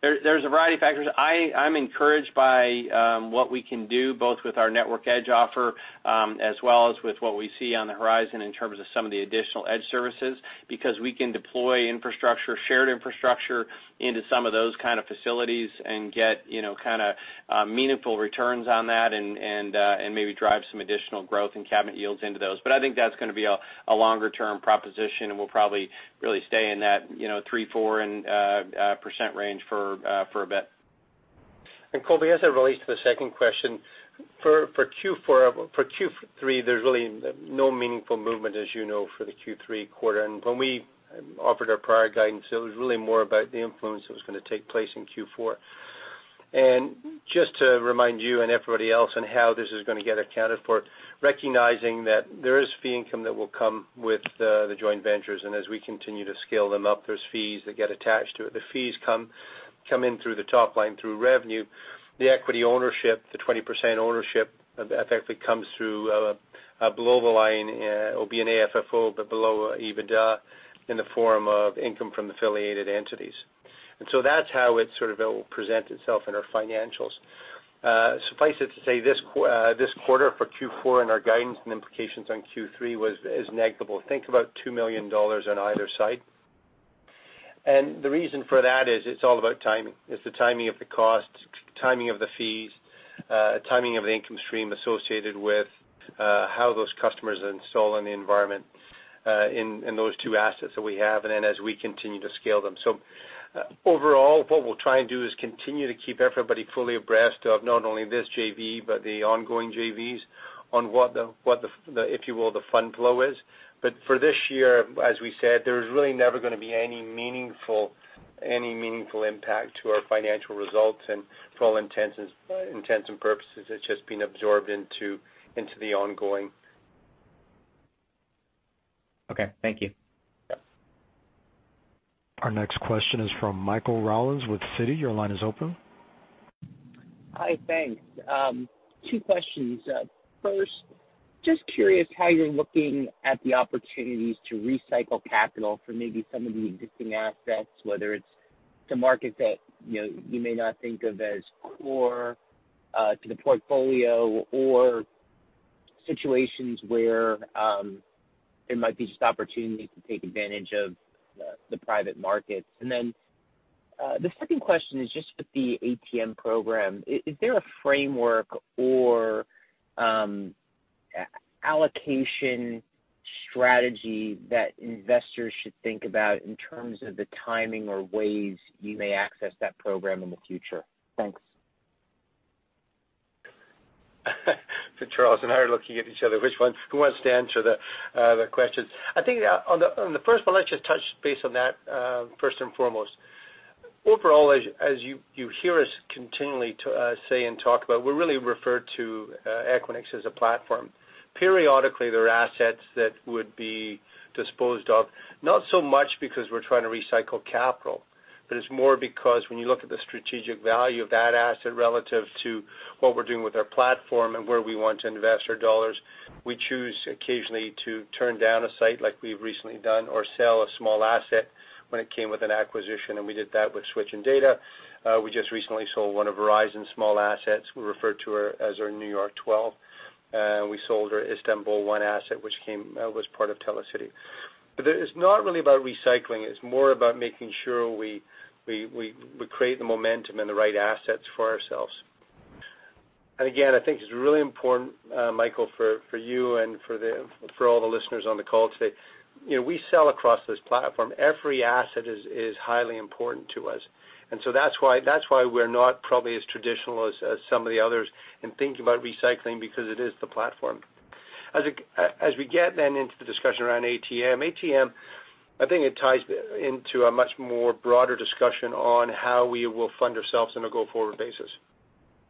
There's a variety of factors. I'm encouraged by what we can do both with our Network Edge offer as well as with what we see on the horizon in terms of some of the additional edge services, because we can deploy shared infrastructure into some of those kind of facilities and get meaningful returns on that and maybe drive some additional growth in cabinet yields into those. I think that's going to be a longer-term proposition, and we'll probably really stay in that 3%-4% range for a bit. Colby, as it relates to the second question, for Q3, there's really no meaningful movement, as you know, for the Q3 quarter. When we offered our prior guidance, it was really more about the influence that was going to take place in Q4. Just to remind you and everybody else on how this is going to get accounted for, recognizing that there is fee income that will come with the joint ventures, and as we continue to scale them up, there's fees that get attached to it. The fees come in through the top line through revenue. The equity ownership, the 20% ownership effectively comes through below the line. It'll be an AFFO, but below EBITDA in the form of income from affiliated entities. That's how it sort of will present itself in our financials. Suffice it to say, this quarter for Q4 and our guidance and implications on Q3 is negligible. Think about $2 million on either side. The reason for that is it's all about timing. It's the timing of the cost, timing of the fees, timing of the income stream associated with how those customers install in the environment in those two assets that we have and then as we continue to scale them. Overall, what we'll try and do is continue to keep everybody fully abreast of not only this JV, but the ongoing JVs on what the, if you will, the fund flow is. For this year, as we said, there's really never going to be any meaningful impact to our financial results, and for all intents and purposes, it's just been absorbed into the ongoing. Okay, thank you. Yeah. Our next question is from Michael Rollins with Citi. Your line is open. Hi, thanks. Two questions. First, just curious how you're looking at the opportunities to recycle capital for maybe some of the existing assets, whether it's to markets that you may not think of as core to the portfolio or situations where there might be just opportunities to take advantage of the private markets. The second question is just with the ATM program. Is there a framework or allocation strategy that investors should think about in terms of the timing or ways you may access that program in the future? Thanks. Charles and I are looking at each other, who wants to answer the questions? I think on the first one, let's just touch base on that first and foremost. Overall, as you hear us continually say and talk about, we really refer to Equinix as a platform. Periodically, there are assets that would be disposed of, not so much because we're trying to recycle capital, but it's more because when you look at the strategic value of that asset relative to what we're doing with our platform and where we want to invest our dollars, we choose occasionally to turn down a site like we've recently done or sell a small asset when it came with an acquisition, and we did that with Switch and Data. We just recently sold one of Verizon's small assets, we refer to as our New York 12. We sold our Istanbul I asset, which was part of Telecity. It's not really about recycling. It's more about making sure we create the momentum and the right assets for ourselves. Again, I think it's really important, Michael, for you and for all the listeners on the call today. We sell across this platform. Every asset is highly important to us. So that's why we're not probably as traditional as some of the others in thinking about recycling because it is the platform. As we get then into the discussion around ATM. ATM, I think it ties into a much more broader discussion on how we will fund ourselves on a go-forward basis.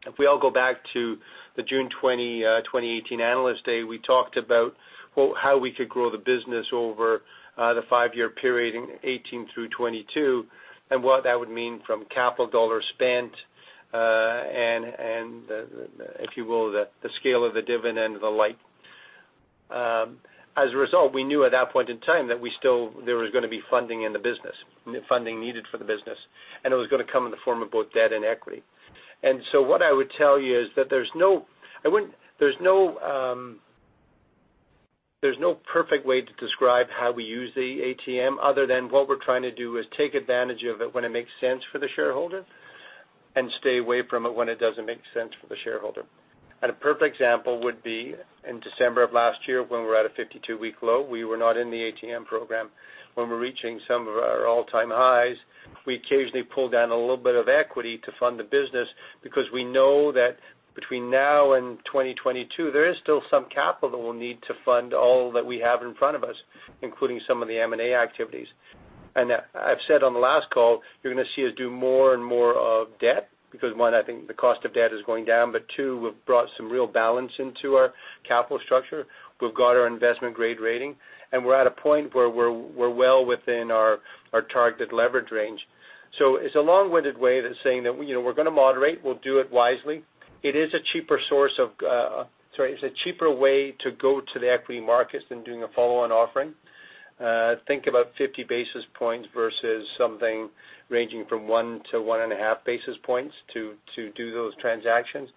If we all go back to the June 2018 Analyst Day, we talked about how we could grow the business over the 5-year period in 2018 through 2022, and what that would mean from capital dollars spent, and if you will, the scale of the dividend and the like. As a result, we knew at that point in time that there was going to be funding in the business, funding needed for the business, and it was going to come in the form of both debt and equity. What I would tell you is, there's no perfect way to describe how we use the ATM other than what we're trying to do is take advantage of it when it makes sense for the shareholder and stay away from it when it doesn't make sense for the shareholder. A perfect example would be in December of last year when we were at a 52-week low, we were not in the ATM program. When we're reaching some of our all-time highs, we occasionally pull down a little bit of equity to fund the business because we know that between now and 2022, there is still some capital we'll need to fund all that we have in front of us, including some of the M&A activities. I've said on the last call, you're going to see us do more and more of debt because, one, I think the cost of debt is going down, but two, we've brought some real balance into our capital structure. We've got our investment-grade rating, and we're at a point where we're well within our targeted leverage range. It's a long-winded way of saying that we're going to moderate. We'll do it wisely. It is a cheaper way to go to the equity markets than doing a follow-on offering. Think about 50 basis points versus something ranging from one to one and a half basis points to do those transactions.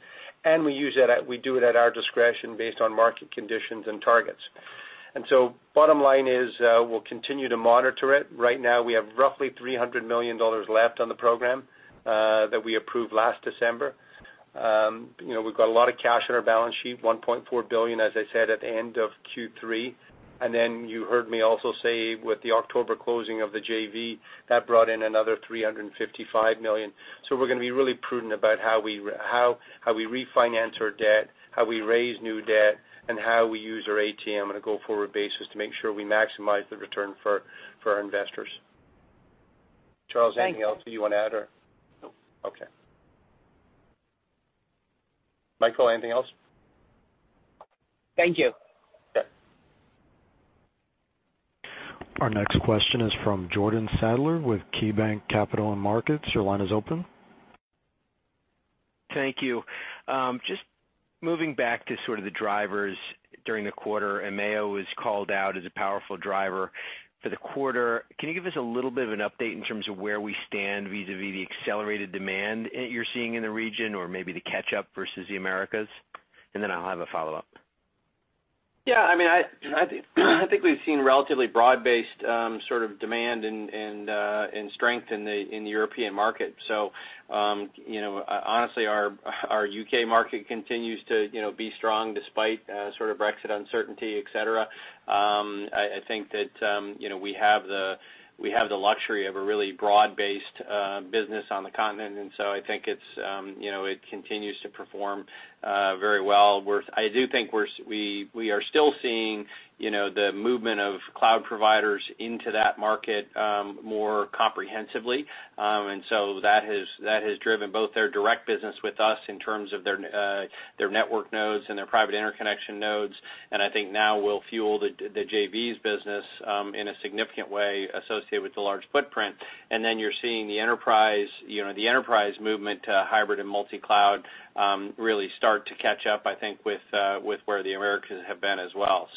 Bottom line is, we'll continue to monitor it. Right now, we have roughly $300 million left on the program that we approved last December. We've got a lot of cash on our balance sheet, $1.4 billion, as I said, at the end of Q3. You heard me also say with the October closing of the JV, that brought in another $355 million. We're going to be really prudent about how we refinance our debt, how we raise new debt, and how we use our ATM on a go-forward basis to make sure we maximize the return for our investors. Charles, anything else you want to add? No. Okay. Michael, anything else? Thank you. Sure. Our next question is from Jordan Sadler with KeyBanc Capital Markets. Your line is open. Thank you. Just moving back to sort of the drivers during the quarter, EMEA was called out as a powerful driver for the quarter. Can you give us a little bit of an update in terms of where we stand vis-a-vis the accelerated demand that you're seeing in the region or maybe the catch-up versus the Americas? I'll have a follow-up. Yeah. I think we've seen relatively broad-based demand and strength in the European market. Honestly, our U.K. market continues to be strong despite Brexit uncertainty, et cetera. I think that we have the luxury of a really broad-based business on the continent, and so I think it continues to perform very well. I do think we are still seeing the movement of cloud providers into that market more comprehensively. That has driven both their direct business with us in terms of their network nodes and their private interconnection nodes, and I think now will fuel the JV's business in a significant way associated with the large footprint. You're seeing the enterprise movement to hybrid and multi-cloud really start to catch up, I think, with where the Americans have been as well.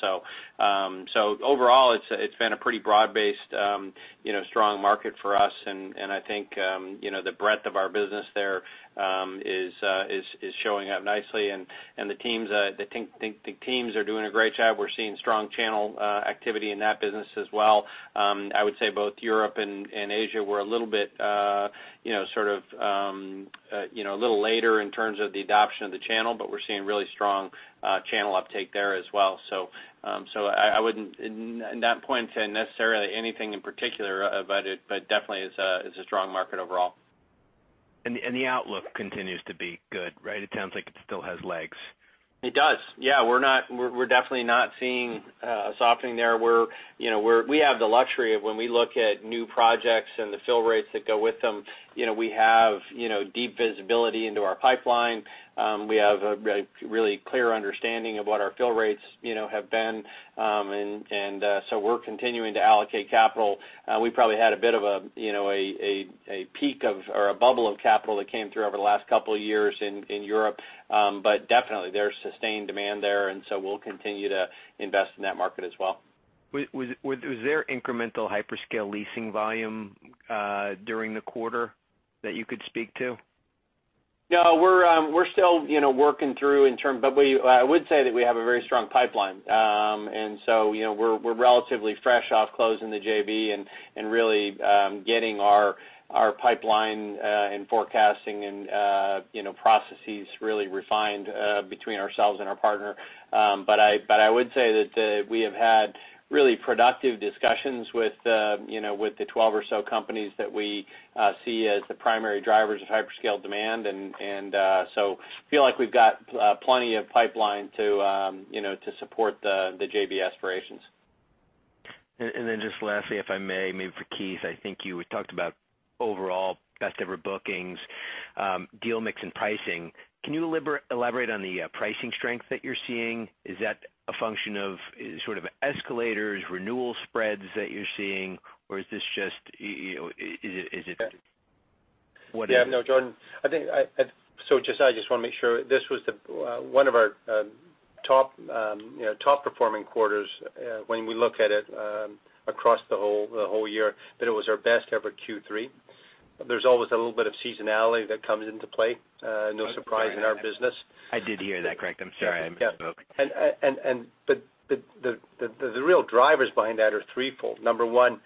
Overall, it's been a pretty broad-based, strong market for us, and I think the breadth of our business there is showing up nicely. The teams are doing a great job. We're seeing strong channel activity in that business as well. I would say both Europe and Asia were a little bit later in terms of the adoption of the channel, but we're seeing really strong channel uptake there as well. I wouldn't, in that point, say necessarily anything in particular about it, but definitely it's a strong market overall. The outlook continues to be good, right? It sounds like it still has legs. It does. Yeah, we're definitely not seeing a softening there. We have the luxury of when we look at new projects and the fill rates that go with them, we have deep visibility into our pipeline. We have a really clear understanding of what our fill rates have been, we're continuing to allocate capital. We probably had a bit of a peak of, or a bubble of capital that came through over the last couple of years in Europe. Definitely, there's sustained demand there, we'll continue to invest in that market as well. Was there incremental hyperscale leasing volume during the quarter that you could speak to? We're still working through in term, but I would say that we have a very strong pipeline. We're relatively fresh off closing the JV and really getting our pipeline and forecasting and processes really refined between ourselves and our partner. I would say that we have had really productive discussions with the 12 or so companies that we see as the primary drivers of hyperscale demand, and so feel like we've got plenty of pipeline to support the JV aspirations. Just lastly, if I may, maybe for Keith, I think you had talked about overall best ever bookings, deal mix and pricing. Can you elaborate on the pricing strength that you're seeing? Is that a function of sort of escalators, renewal spreads that you're seeing? Yeah. What is it? Yeah, no, Jordan. I just want to make sure, this was one of our top performing quarters when we look at it across the whole year, that it was our best ever Q3. There's always a little bit of seasonality that comes into play, no surprise in our business. I did hear that, Keith. I'm sorry, I misspoke. The real drivers behind that are threefold. Number one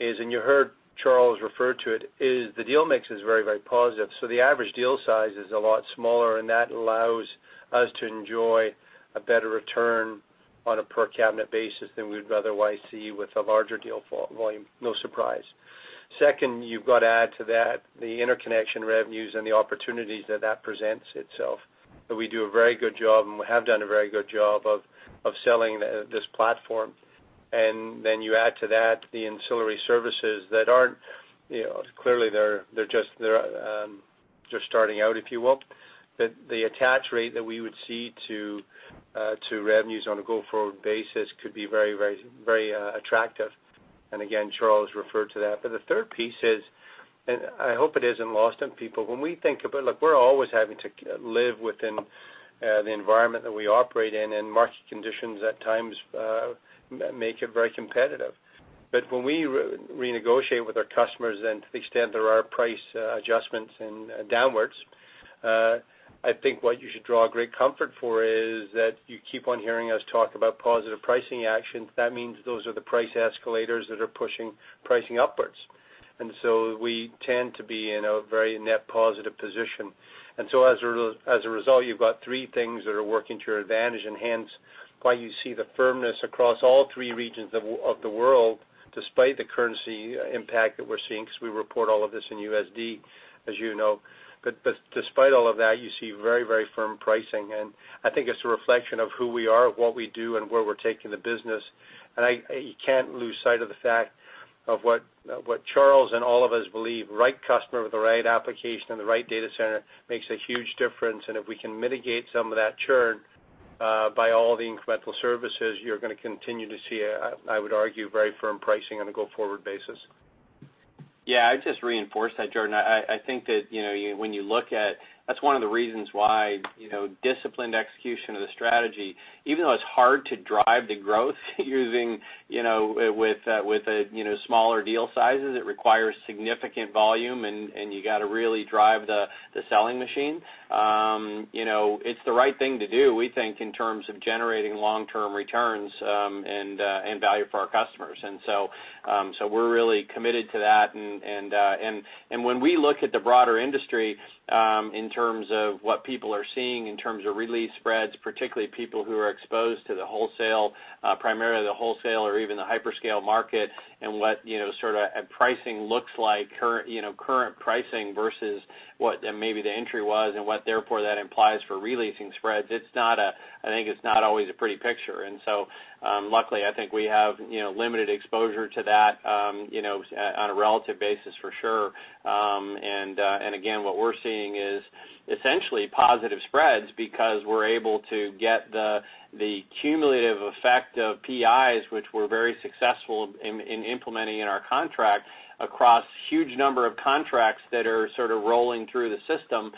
is, and you heard Charles refer to it, is the deal mix is very, very positive. The average deal size is a lot smaller, and that allows us to enjoy a better return on a per cabinet basis than we would otherwise see with a larger deal volume. No surprise. Second, you've got to add to that the interconnection revenues and the opportunities that that presents itself, that we do a very good job, and we have done a very good job of selling this platform. Then you add to that the ancillary services that aren't Clearly, they're just starting out, if you will. The attach rate that we would see to revenues on a go-forward basis could be very attractive. Again, Charles referred to that. The third piece is, and I hope it isn't lost on people, when we think about Look, we're always having to live within the environment that we operate in, and market conditions at times make it very competitive. When we renegotiate with our customers and to the extent there are price adjustments downwards, I think what you should draw great comfort for is that you keep on hearing us talk about positive pricing actions. That means those are the price escalators that are pushing pricing upwards. We tend to be in a very net positive position. As a result, you've got three things that are working to your advantage, and hence why you see the firmness across all three regions of the world, despite the currency impact that we're seeing, because we report all of this in USD, as you know. Despite all of that, you see very, very firm pricing. I think it's a reflection of who we are, what we do, and where we're taking the business. You can't lose sight of the fact of what Charles and all of us believe, right customer with the right application and the right data center makes a huge difference. If we can mitigate some of that churn by all the incremental services, you're going to continue to see, I would argue, very firm pricing on a go-forward basis. Yeah, I'd just reinforce that, Jordan. I think that when you look at, that's one of the reasons why disciplined execution of the strategy, even though it's hard to drive the growth with smaller deal sizes, it requires significant volume, and you got to really drive the selling machine. It's the right thing to do, we think, in terms of generating long-term returns and value for our customers. We're really committed to that. And when we look at the broader industry, in terms of what people are seeing in terms of re-lease spreads, particularly people who are exposed to the wholesale, primarily the wholesale or even the hyperscale market, and what sort of pricing looks like, current pricing versus what maybe the entry was and what therefore that implies for re-leasing spreads, I think it's not always a pretty picture. Luckily, I think we have limited exposure to that on a relative basis for sure. Again, what we're seeing is essentially positive spreads because we're able to get the cumulative effect of PIs, which we're very successful in implementing in our contract, across huge number of contracts that are sort of rolling through the system.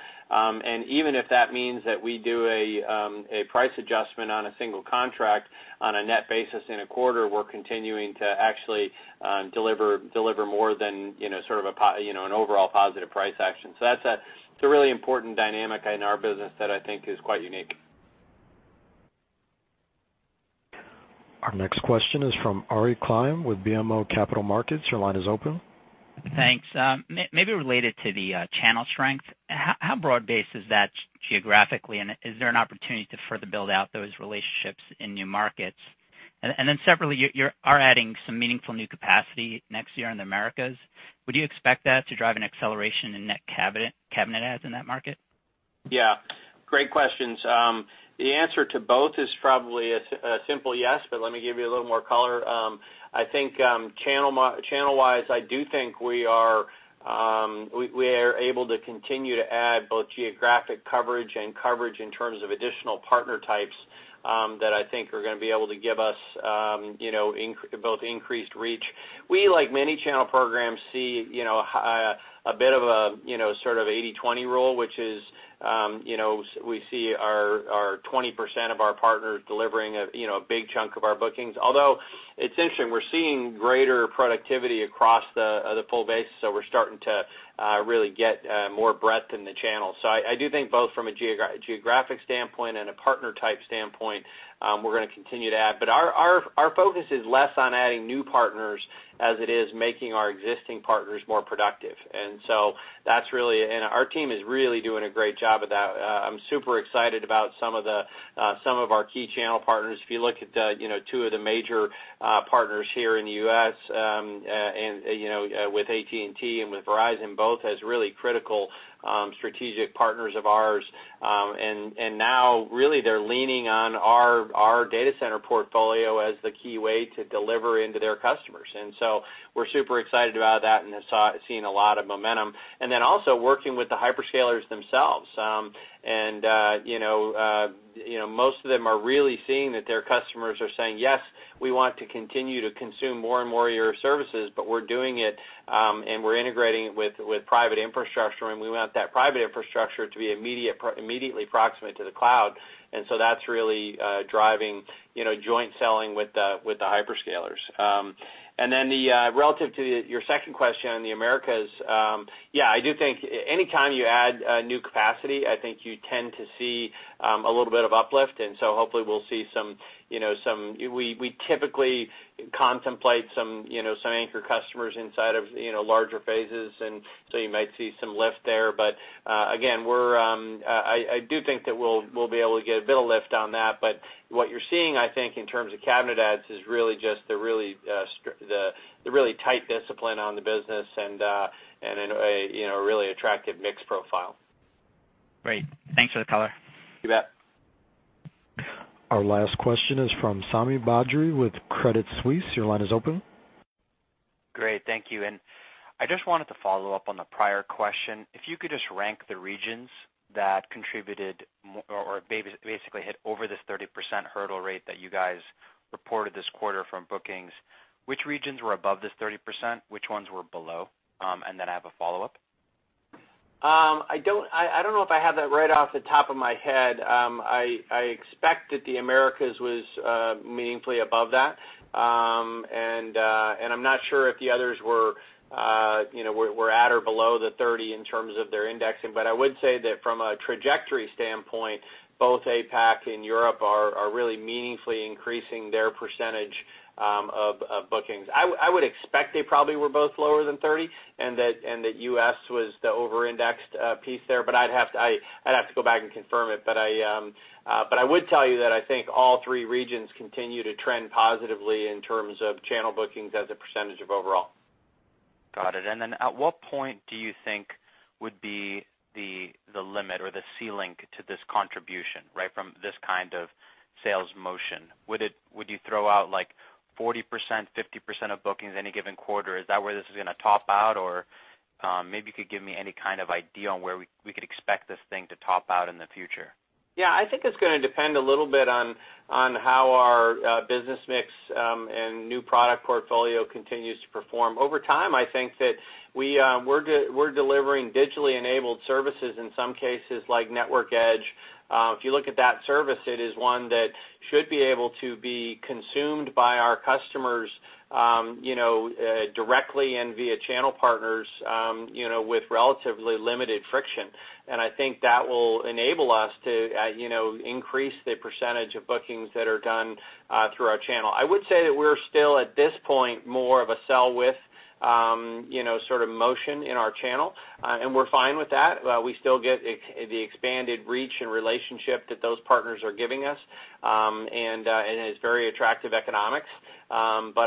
Even if that means that we do a price adjustment on a single contract on a net basis in a quarter, we're continuing to actually deliver more than an overall positive price action. That's a really important dynamic in our business that I think is quite unique. Our next question is from Aryeh Klein with BMO Capital Markets. Your line is open. Thanks. Maybe related to the channel strength, how broad-based is that geographically? Is there an opportunity to further build out those relationships in new markets? Separately, you are adding some meaningful new capacity next year in the Americas. Would you expect that to drive an acceleration in net cabinet adds in that market? Yeah. Great questions. The answer to both is probably a simple yes. Let me give you a little more color. I think channel-wise, I do think we are able to continue to add both geographic coverage and coverage in terms of additional partner types, that I think are going to be able to give us both increased reach. We, like many channel programs, see a bit of a sort of 80/20 rule, which is, we see our 20% of our partners delivering a big chunk of our bookings. It's interesting, we're seeing greater productivity across the full base, so we're starting to really get more breadth in the channel. I do think both from a geographic standpoint and a partner type standpoint, we're going to continue to add. Our focus is less on adding new partners as it is making our existing partners more productive. Our team is really doing a great job of that. I'm super excited about some of our key channel partners. If you look at two of the major partners here in the U.S., with AT&T and with Verizon both as really critical strategic partners of ours. Now really they're leaning on our data center portfolio as the key way to deliver into their customers. We're super excited about that and seeing a lot of momentum. Also working with the hyperscalers themselves. Most of them are really seeing that their customers are saying, "Yes, we want to continue to consume more and more of your services, but we're doing it and we're integrating it with private infrastructure, and we want that private infrastructure to be immediately proximate to the cloud." That's really driving joint selling with the hyperscalers. Relative to your second question on the Americas, yeah, I do think anytime you add new capacity, I think you tend to see a little bit of uplift. We typically contemplate some anchor customers inside of larger phases, and so you might see some lift there. Again, I do think that we'll be able to get a bit of lift on that. What you're seeing, I think, in terms of cabinet adds, is really just the really tight discipline on the business and a really attractive mix profile. Great. Thanks for the color. You bet. Our last question is from Sami Badri with Credit Suisse. Your line is open. Great. Thank you. I just wanted to follow up on the prior question. If you could just rank the regions that contributed or basically hit over this 30% hurdle rate that you guys reported this quarter from bookings, which regions were above this 30%? Which ones were below? I have a follow-up. I don't know if I have that right off the top of my head. I expect that the Americas was meaningfully above that. I'm not sure if the others were at or below the 30 in terms of their indexing. I would say that from a trajectory standpoint, both APAC and Europe are really meaningfully increasing their percentage of bookings. I would expect they probably were both lower than 30, and that U.S. was the over-indexed piece there, but I'd have to go back and confirm it. I would tell you that I think all three regions continue to trend positively in terms of channel bookings as a percentage of overall. Got it. At what point do you think would be the limit or the ceiling to this contribution, right, from this kind of sales motion? Would you throw out 40%, 50% of bookings any given quarter? Is that where this is going to top out? Or maybe you could give me any kind of idea on where we could expect this thing to top out in the future. Yeah, I think it's going to depend a little bit on how our business mix and new product portfolio continues to perform. Over time, I think that we're delivering digitally enabled services in some cases like Network Edge. If you look at that service, it is one that should be able to be consumed by our customers directly and via channel partners with relatively limited friction. I think that will enable us to increase the percentage of bookings that are done through our channel. I would say that we're still, at this point, more of a sell with sort of motion in our channel, and we're fine with that. We still get the expanded reach and relationship that those partners are giving us, and it is very attractive economics.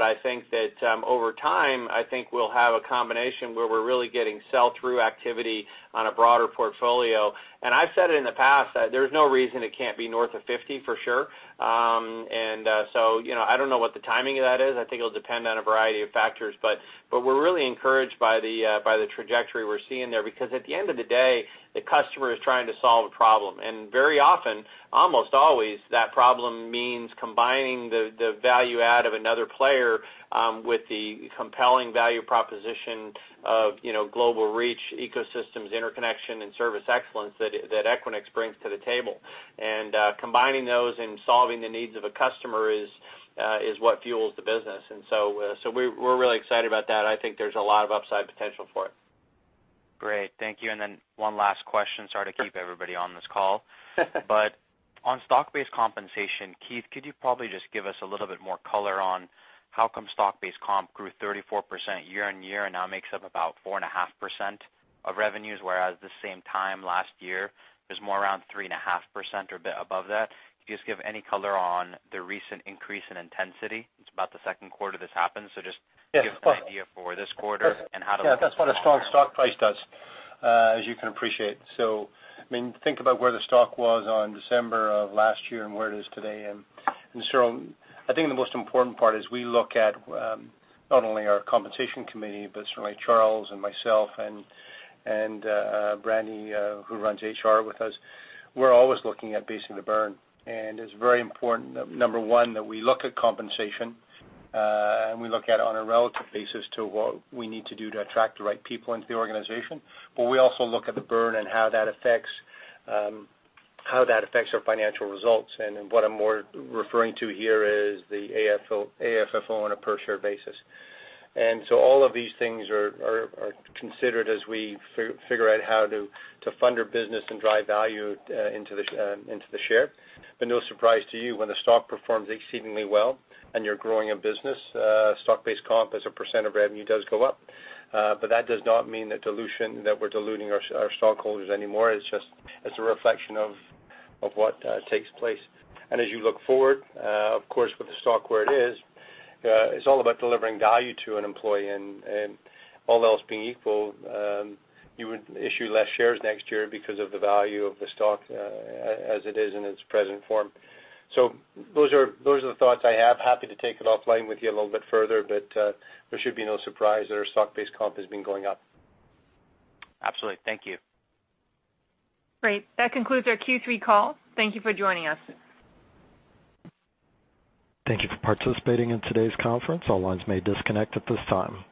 I think that over time, I think we'll have a combination where we're really getting sell-through activity on a broader portfolio. I've said it in the past that there's no reason it can't be north of 50, for sure. I don't know what the timing of that is. I think it'll depend on a variety of factors. We're really encouraged by the trajectory we're seeing there, because at the end of the day, the customer is trying to solve a problem. Very often, almost always, that problem means combining the value add of another player with the compelling value proposition of global reach, ecosystems, interconnection, and service excellence that Equinix brings to the table. Combining those and solving the needs of a customer is what fuels the business. We're really excited about that. I think there's a lot of upside potential for it. Great. Thank you. One last question. Sorry to keep everybody on this call. On stock-based compensation, Keith, could you probably just give us a little bit more color on how come stock-based comp grew 34% year-on-year and now makes up about 4.5% of revenues, whereas the same time last year, it was more around 3.5% or a bit above that? Could you just give any color on the recent increase in intensity? It's about the second quarter this happened. Yes, of course. give us an idea for this quarter Perfect How to look at that. Yeah, that's what a strong stock price does, as you can appreciate. Think about where the stock was on December of last year and where it is today. Cyril, I think the most important part is we look at not only our compensation committee, but certainly Charles and myself and Brandi, who runs HR with us. We're always looking at basing the burn, and it's very important, number one, that we look at compensation, and we look at it on a relative basis to what we need to do to attract the right people into the organization. We also look at the burn and how that affects our financial results. What I'm more referring to here is the AFFO on a per-share basis. All of these things are considered as we figure out how to fund our business and drive value into the share. No surprise to you, when the stock performs exceedingly well and you're growing a business, stock-based comp as a % of revenue does go up. That does not mean that we're diluting our stockholders anymore. It's just a reflection of what takes place. As you look forward, of course, with the stock where it is, it's all about delivering value to an employee. All else being equal, you would issue less shares next year because of the value of the stock as it is in its present form. Those are the thoughts I have. Happy to take it offline with you a little bit further, but there should be no surprise that our stock-based comp has been going up. Absolutely. Thank you. Great. That concludes our Q3 call. Thank you for joining us. Thank you for participating in today's conference. All lines may disconnect at this time.